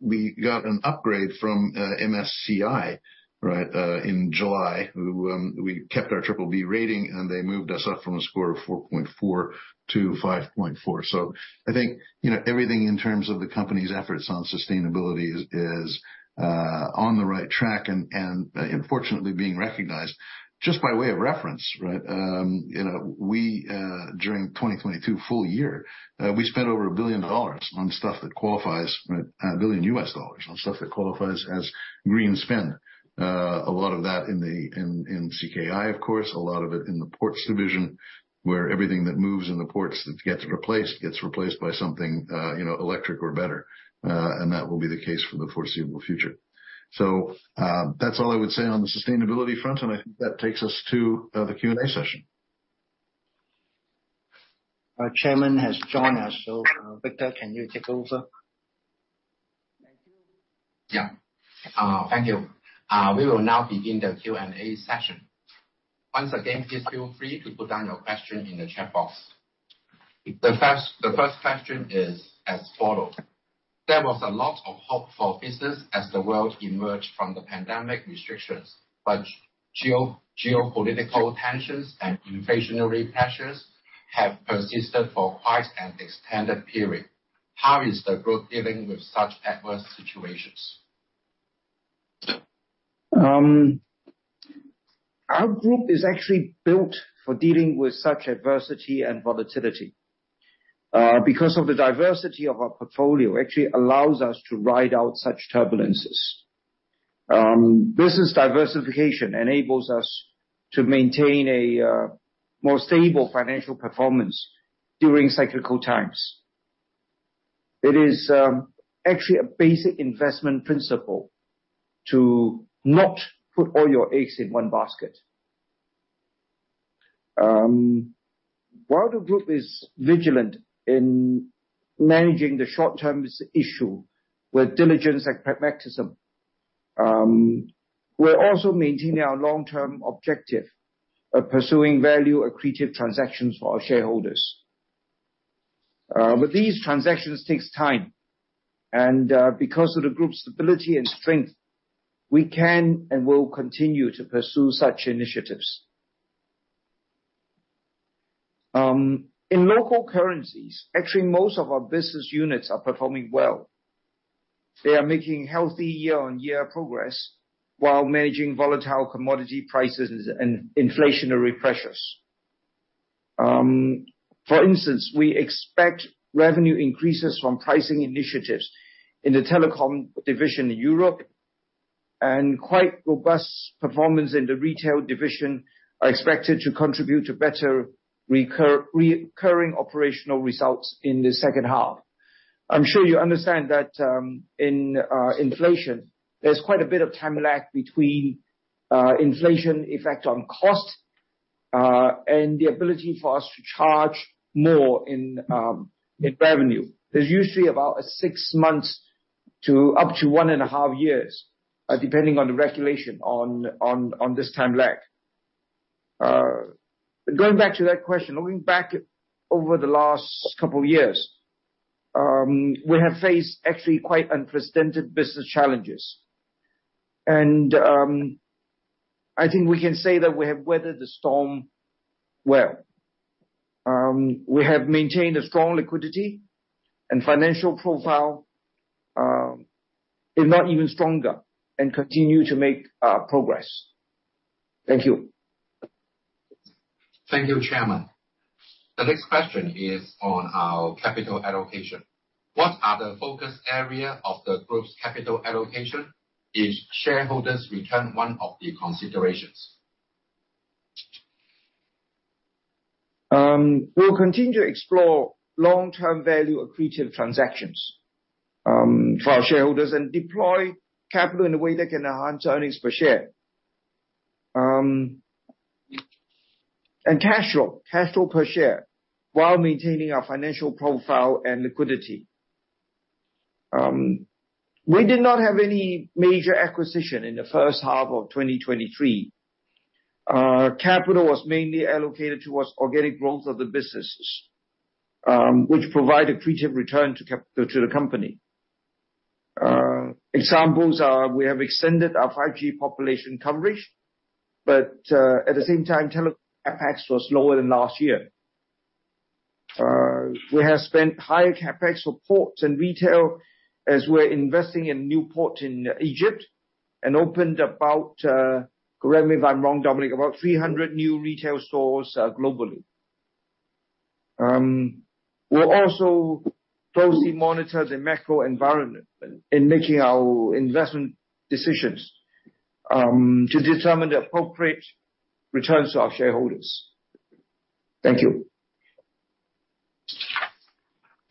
S3: we got an upgrade from MSCI, right, in July. We kept our triple B rating, and they moved us up from a score of 4.4 to 5.4. I think, you know, everything in terms of the company's efforts on sustainability is on the right track and, unfortunately, being recognized. Just by way of reference, right, you know, we, during 2022 full year, we spent over $1 billion on stuff that qualifies, right? $1 billion on stuff that qualifies as green spend. A lot of that in CKI, of course, a lot of it in the Ports division, where everything that moves in the Ports that gets replaced, gets replaced by something, you know, electric or better, and that will be the case for the foreseeable future. That's all I would say on the sustainability front, and I think that takes us to the Q&A session.
S2: Our chairman has joined us. Victor, can you take over?
S1: Yeah. Thank you. We will now begin the Q&A session. Once again, please feel free to put down your question in the chat box. The first question is as follows: There was a lot of hope for business as the world emerged from the pandemic restrictions, but geopolitical tensions and inflationary pressures have persisted for quite an extended period. How is the group dealing with such adverse situations?
S5: Our group is actually built for dealing with such adversity and volatility. Because of the diversity of our portfolio, actually allows us to ride out such turbulences. Business diversification enables us to maintain a more stable financial performance during cyclical times. It is actually a basic investment principle to not put all your eggs in one basket. While the group is vigilant in managing the short-term issue with diligence and pragmatism, we're also maintaining our long-term objective of pursuing value-accretive transactions for our shareholders. These transactions takes time, and because of the group's stability and strength, we can and will continue to pursue such initiatives. In local currencies, actually, most of our business units are performing well. They are making healthy year-on-year progress while managing volatile commodity prices and inflationary pressures. For instance, we expect revenue increases from pricing initiatives in the Telecom division in Europe, and quite robust performance in the Retail division are expected to contribute to better recurring operational results in the second half. I'm sure you understand that in inflation, there's quite a bit of time lag between inflation effect on cost and the ability for us to charge more in revenue. There's usually about a six months to up to one and a half years, depending on the regulation on this time lag. Going back to that question, looking back over the last two years, we have faced actually quite unprecedented business challenges. I think we can say that we have weathered the storm well. We have maintained a strong liquidity and financial profile, if not even stronger, and continue to make progress. Thank you.
S1: Thank you, Chairman. The next question is on our capital allocation. What are the focus area of the group's capital allocation? Is shareholders return one of the considerations?
S5: We'll continue to explore long-term value accretive transactions for our shareholders and deploy capital in a way that can enhance earnings per share. Cash flow, cash flow per share, while maintaining our financial profile and liquidity. We did not have any major acquisition in the first half of 2023. Capital was mainly allocated towards organic growth of the businesses, which provide a creative return to the company. Examples are, we have extended our 5G population coverage, at the same time, Telecom CapEx was lower than last year. We have spent higher CapEx for Ports and Retail, as we're investing in new port in Egypt and opened about, correct me if I'm wrong, Dominic, about 300 new retail stores globally. We'll also closely monitor the macro environment in making our investment decisions, to determine the appropriate returns to our shareholders. Thank you.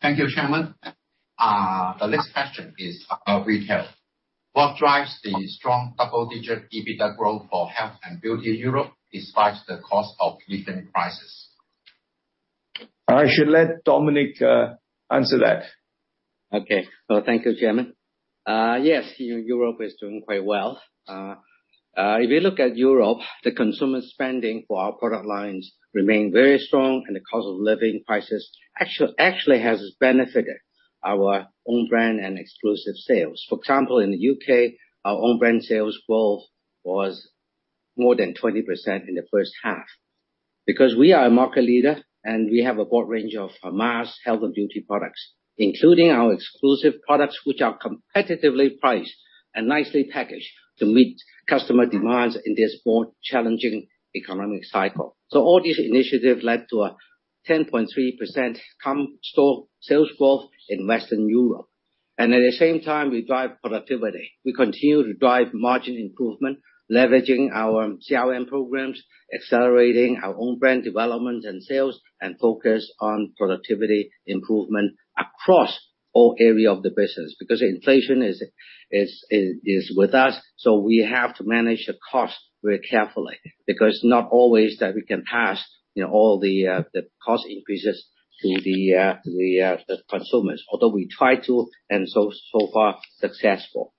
S1: Thank you, Chairman. The next question is about Retail. What drives the strong double-digit EBITDA growth for health and beauty in Europe, despite the cost of living crisis?
S5: I should let Dominic answer that.
S4: Okay. Thank you, Chairman. Yes, you know, Europe is doing quite well. If you look at Europe, the consumer spending for our product lines remain very strong, and the cost of living crisis actually, actually has benefited our own brand and exclusive sales. For example, in the U.K., our own brand sales growth was more than 20% in the first half. Because we are a market leader, and we have a broad range of mass health and beauty products, including our exclusive products, which are competitively priced and nicely packaged to meet customer demands in this more challenging economic cycle. All these initiatives led to a 10.3% store sales growth in Western Europe. At the same time, we drive productivity. We continue to drive margin improvement, leveraging our CRM programs, accelerating our own brand development and sales, and focus on productivity improvement across all area of the business, because inflation is with us, so we have to manage the cost very carefully, because not always that we can pass, you know, all the cost increases to the to the the consumers, although we try to, and so, so far, successful.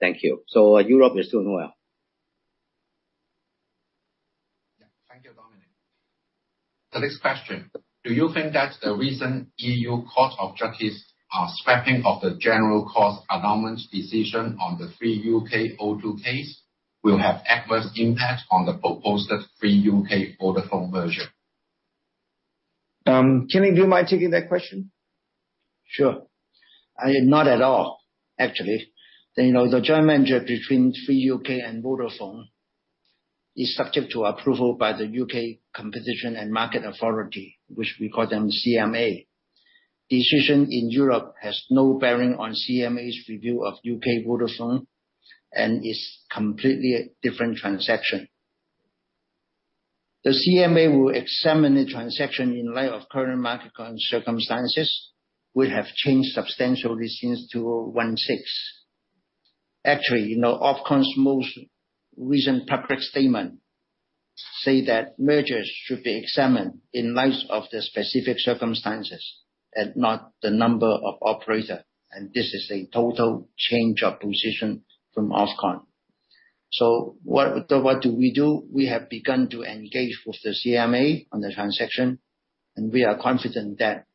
S4: Thank you. Europe is doing well.
S1: Yeah. Thank you, Dominic. The next question: Do you think that the recent EU Court of Justice scrapping of the general cost anomaly decision on the Three U.K. O2 case will have adverse impact on the proposed Three U.K. Vodafone merger?
S5: Canning, do you mind taking that question?
S2: Sure. Not at all, actually. You know, the joint venture between Three U.K. and Vodafone is subject to approval by the U.K. Competition and Market Authority, which we call them CMA. Decision in Europe has no bearing on CMA's review of U.K. Vodafone, is completely a different transaction. The CMA will examine the transaction in light of current market circumstances, which have changed substantially since 2016. Actually, you know, Ofcom's most recent public statement say that mergers should be examined in light of the specific circumstances and not the number of operator, and this is a total change of position from Ofcom. What do we do? We have begun to engage with the CMA on the transaction, and we are confident that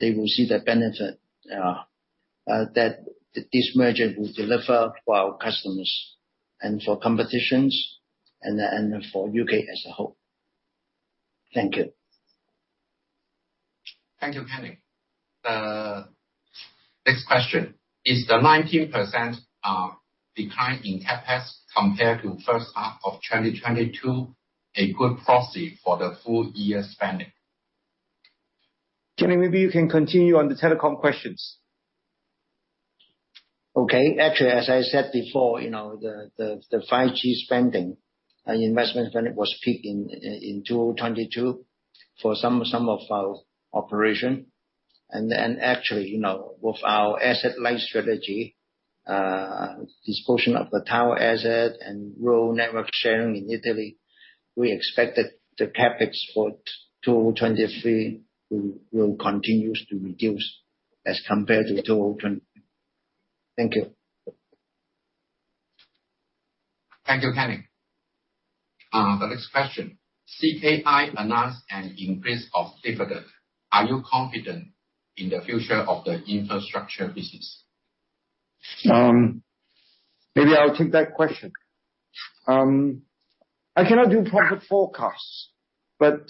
S2: they will see the benefit that this merger will deliver for our customers and for competition and for U.K. as a whole. Thank you.
S1: Thank you, Canning. Next question: Is the 19% decline in CapEx, compared to first half of 2022, a good proxy for the full year spending?
S5: Canning, maybe you can continue on the Telecom questions.
S2: Okay. Actually, as I said before, you know, the, the, the 5G spending and investment spending was peaking in 2022 for some of our operation. Actually, you know, with our asset light strategy, disposition of the tower asset and rural network sharing in Italy, we expected the CapEx for 2023 will continue to reduce as compared to 2020. Thank you.
S1: Thank you, Canning. The next question. CKI announced an increase of dividend. Are you confident in the future of the Infrastructure business?
S5: Maybe I'll take that question. I cannot do proper forecasts, but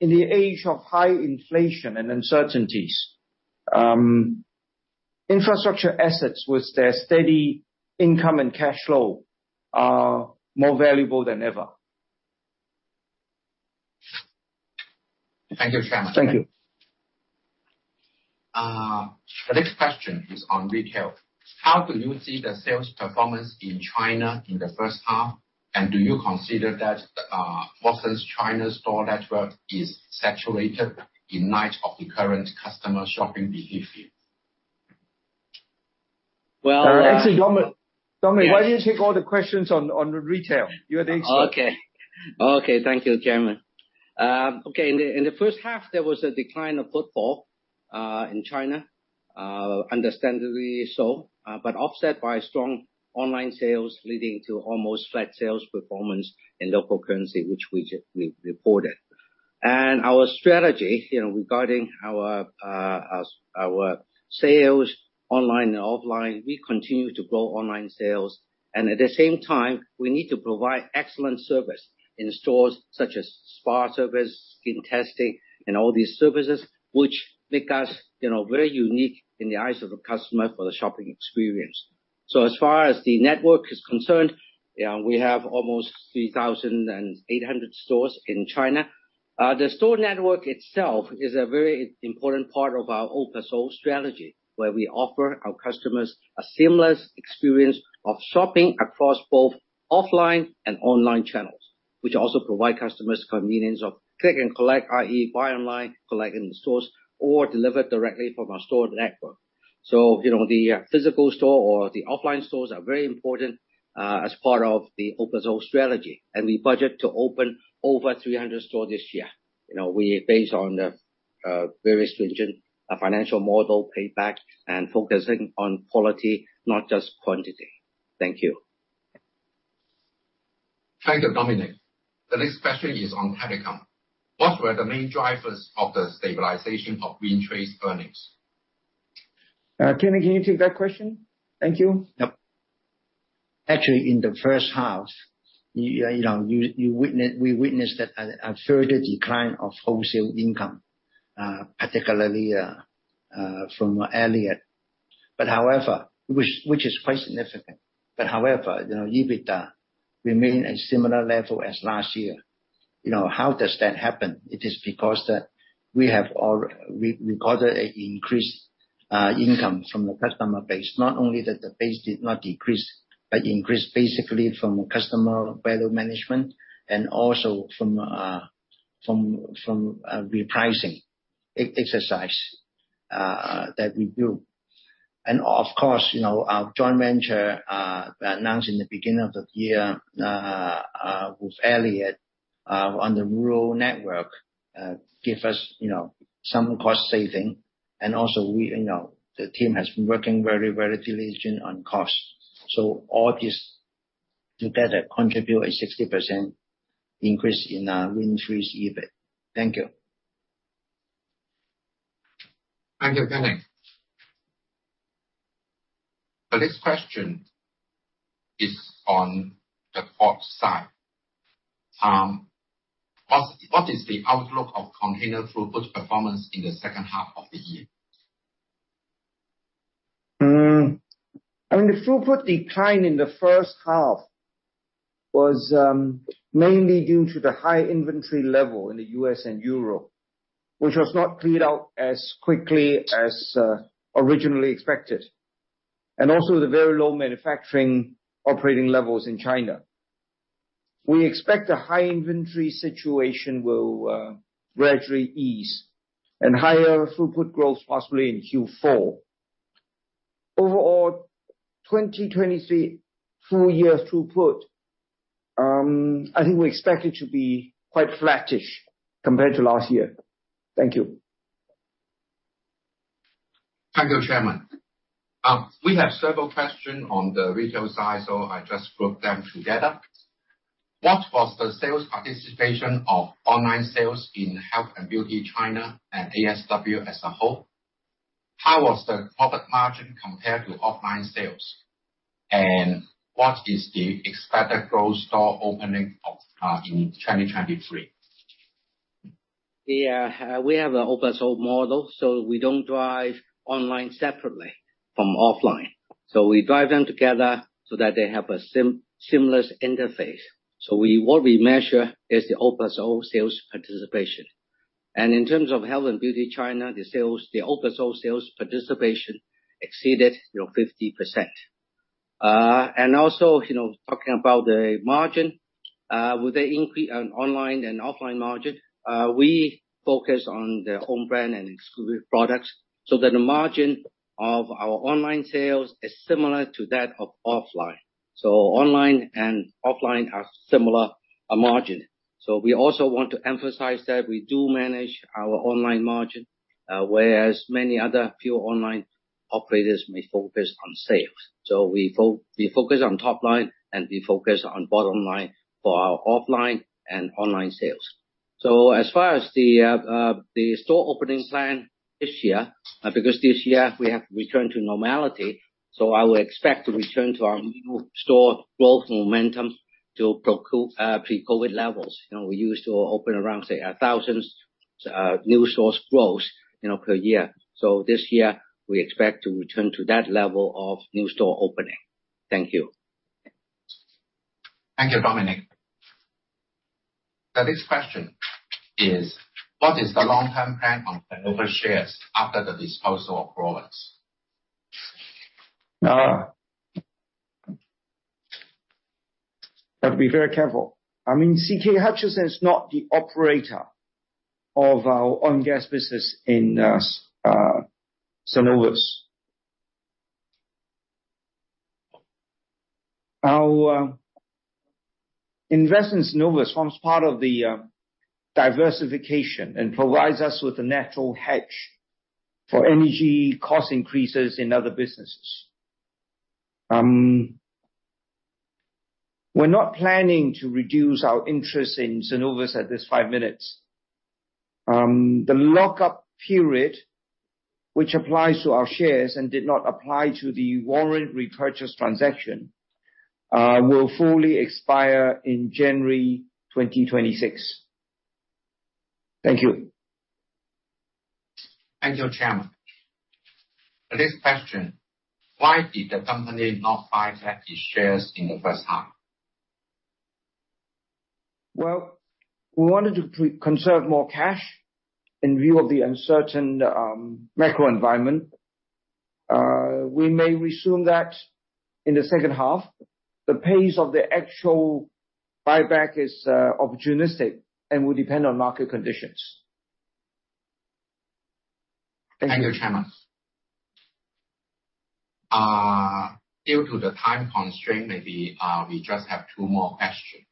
S5: in the age of high inflation and uncertainties, Infrastructure assets with their steady income and cash flow are more valuable than ever.
S1: Thank you, Chairman.
S5: Thank you.
S1: The next question is on Retail. How do you see the sales performance in China in the first half? Do you consider that, Watson's China store network is saturated in light of the current customer shopping behavior?
S4: Well.
S5: Actually, Dominic, Dominic, why don't you take all the questions on, on the Retail? You are the expert.
S4: Okay. Okay. Thank you, Chairman. Okay, in the first half, there was a decline of footfall in China. Understandably so, but offset by strong online sales, leading to almost flat sales performance in local currency, which we reported. Our strategy, you know, regarding our sales online and offline, we continue to grow online sales. At the same time, we need to provide excellent service in stores such as spa service, skin testing, and all these services, which make us, you know, very unique in the eyes of the customer for the shopping experience. As far as the network is concerned, yeah, we have almost 3,800 stores in China. The store network itself is a very important part of our open source strategy, where we offer our customers a seamless experience of shopping across both offline and online channels, which also provide customers convenience of click and collect, i.e., buy online, collect in the stores, or delivered directly from our store network. So, you know, the physical store or the offline stores are very important as part of the open source strategy. And we budget to open over 300 stores this year. You know, we based on the very stringent financial model payback and focusing on quality, not just quantity. Thank you.
S1: Thank you, Dominic. The next question is on Telecom. What were the main drivers of the stabilization of Wind Tre's earnings?
S5: Canning, can you take that question? Thank you.
S2: Yep. Actually, in the first half, you know, we witnessed that a further decline of wholesale income, particularly from Iliad. However, which, which is quite significant. However, you know, EBITDA remain a similar level as last year. You know, how does that happen? It is because that we recorded an increased income from the customer base. Not only that, the base did not decrease, but increased basically from customer value management and also from repricing exercise that we do. Of course, you know, our joint venture announced in the beginning of the year with Iliad on the rural network give us, you know, some cost saving. Also we, you know, the team has been working very, very diligent on cost. All this together contribute a 60% increase in Wind Tre's EBIT. Thank you.
S1: Thank you, Canning. The next question is on the Port side. What is the outlook of container throughput performance in the second half of the year?
S5: Hmm. I mean, the throughput decline in the first half was mainly due to the high inventory level in the U.S. and Europe, which was not cleared out as quickly as originally expected, and also the very low manufacturing operating levels in China. We expect the high inventory situation will gradually ease and higher throughput growth, possibly in Q4. Overall, 2023 full year throughput, I think we expect it to be quite flattish compared to last year. Thank you.
S1: Thank you, Chairman. We have several questions on the retail side, so I just grouped them together. What was the sales participation of online sales in Health & Beauty China and ASW as a whole? How was the profit margin compared to offline sales? What is the expected growth store opening of, in 2023?
S4: Yeah, we have an open source model, so we don't drive online separately from offline. We drive them together so that they have a seamless interface. What we measure is the open source sales participation. In terms of Health & Beauty China, the sales, the open source sales participation exceeded, you know, 50%. And also, you know, talking about the margin, with the increase on online and offline margin, we focus on the own brand and exclusive products, so that the margin of our online sales is similar to that of offline. Online and offline are similar margin. We also want to emphasize that we do manage our online margin, whereas many other few online operators may focus on sales. We focus on top line, and we focus on bottom line for our offline and online sales. As far as the store opening plan this year, because this year we have to return to normality, so I would expect to return to our new store growth momentum to pre-COVID levels. You know, we used to open around, say, 1,000 new stores growth, you know, per year. This year, we expect to return to that level of new store opening. Thank you.
S1: Thank you, Dominic. The next question is, what is the long-term plan on the Cenovus shares after the disposal of warrants?
S5: Have to be very careful. I mean, CK Hutchison is not the operator of our own gas business in Cenovus. Well, investment in Cenovus forms part of the diversification and provides us with a natural hedge for energy cost increases in other businesses. We're not planning to reduce our interest in Cenovus at this five minutes. The lockup period, which applies to our shares and did not apply to the warrant repurchase transaction, will fully expire in January 2026. Thank you.
S1: Thank you, Chairman. This question, why did the company not buy back its shares in the first half?
S5: Well, we wanted to conserve more cash in view of the uncertain macro environment. We may resume that in the second half. The pace of the actual buyback is opportunistic and will depend on market conditions. Thank you.
S1: Thank you, Chairman. Due to the time constraint, maybe, we just have two more questions.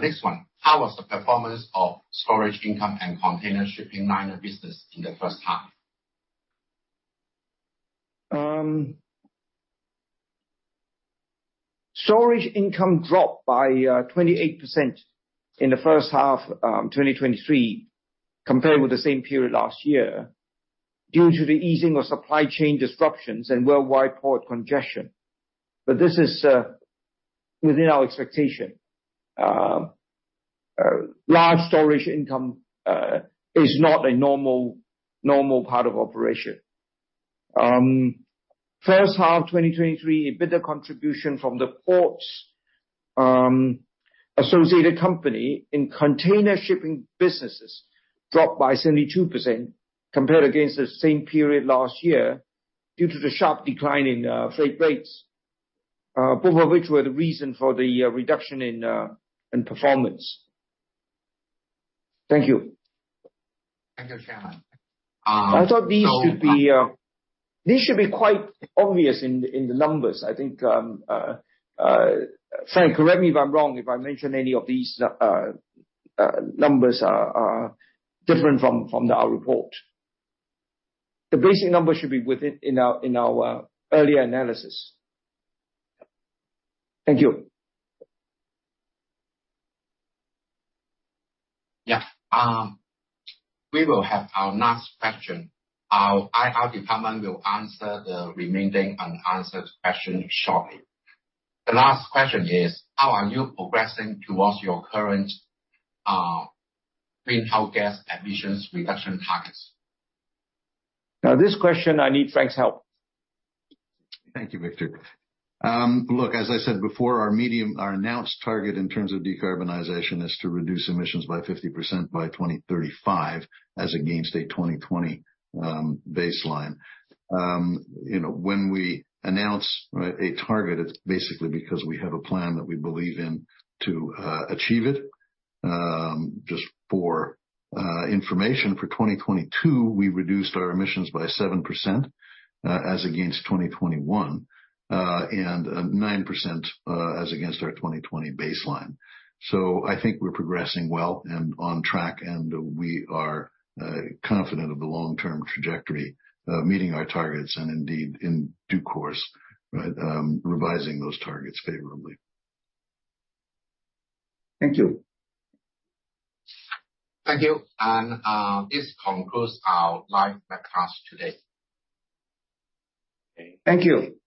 S1: This one, how was the performance of storage income and container shipping liner business in the first half?
S5: Storage income dropped by 28% in the first half 2023, compared with the same period last year, due to the easing of supply chain disruptions and worldwide port congestion. This is within our expectation. Large storage income is not a normal, normal part of operation. First half of 2023, EBITDA contribution from the Ports, associated company in container shipping businesses dropped by 72% compared against the same period last year due to the sharp decline in freight rates, both of which were the reason for the reduction in performance. Thank you.
S1: Thank you, Chairman.
S5: I thought these should be, these should be quite obvious in the, in the numbers. I think, Frank, correct me if I'm wrong, if I mention any of these, numbers are, are different from, from our report. The basic numbers should be within, in our, in our earlier analysis. Thank you.
S1: Yeah. We will have our last question. Our IR department will answer the remaining unanswered questions shortly. The last question is, how are you progressing towards your current greenhouse gas emissions reduction targets?
S5: This question, I need Frank's help.
S3: Thank you, Victor. Look, as I said before, our announced target in terms of decarbonization, is to reduce emissions by 50% by 2035 as against a 2020 baseline. You know, when we announce a target, it's basically because we have a plan that we believe in to achieve it. Just for information, for 2022, we reduced our emissions by 7% as against 2021, and 9% as against our 2020 baseline. I think we're progressing well and on track, and we are confident of the long-term trajectory, meeting our targets and indeed, in due course, revising those targets favorably.
S5: Thank you.
S1: Thank you. This concludes our live webcast today.
S5: Thank you.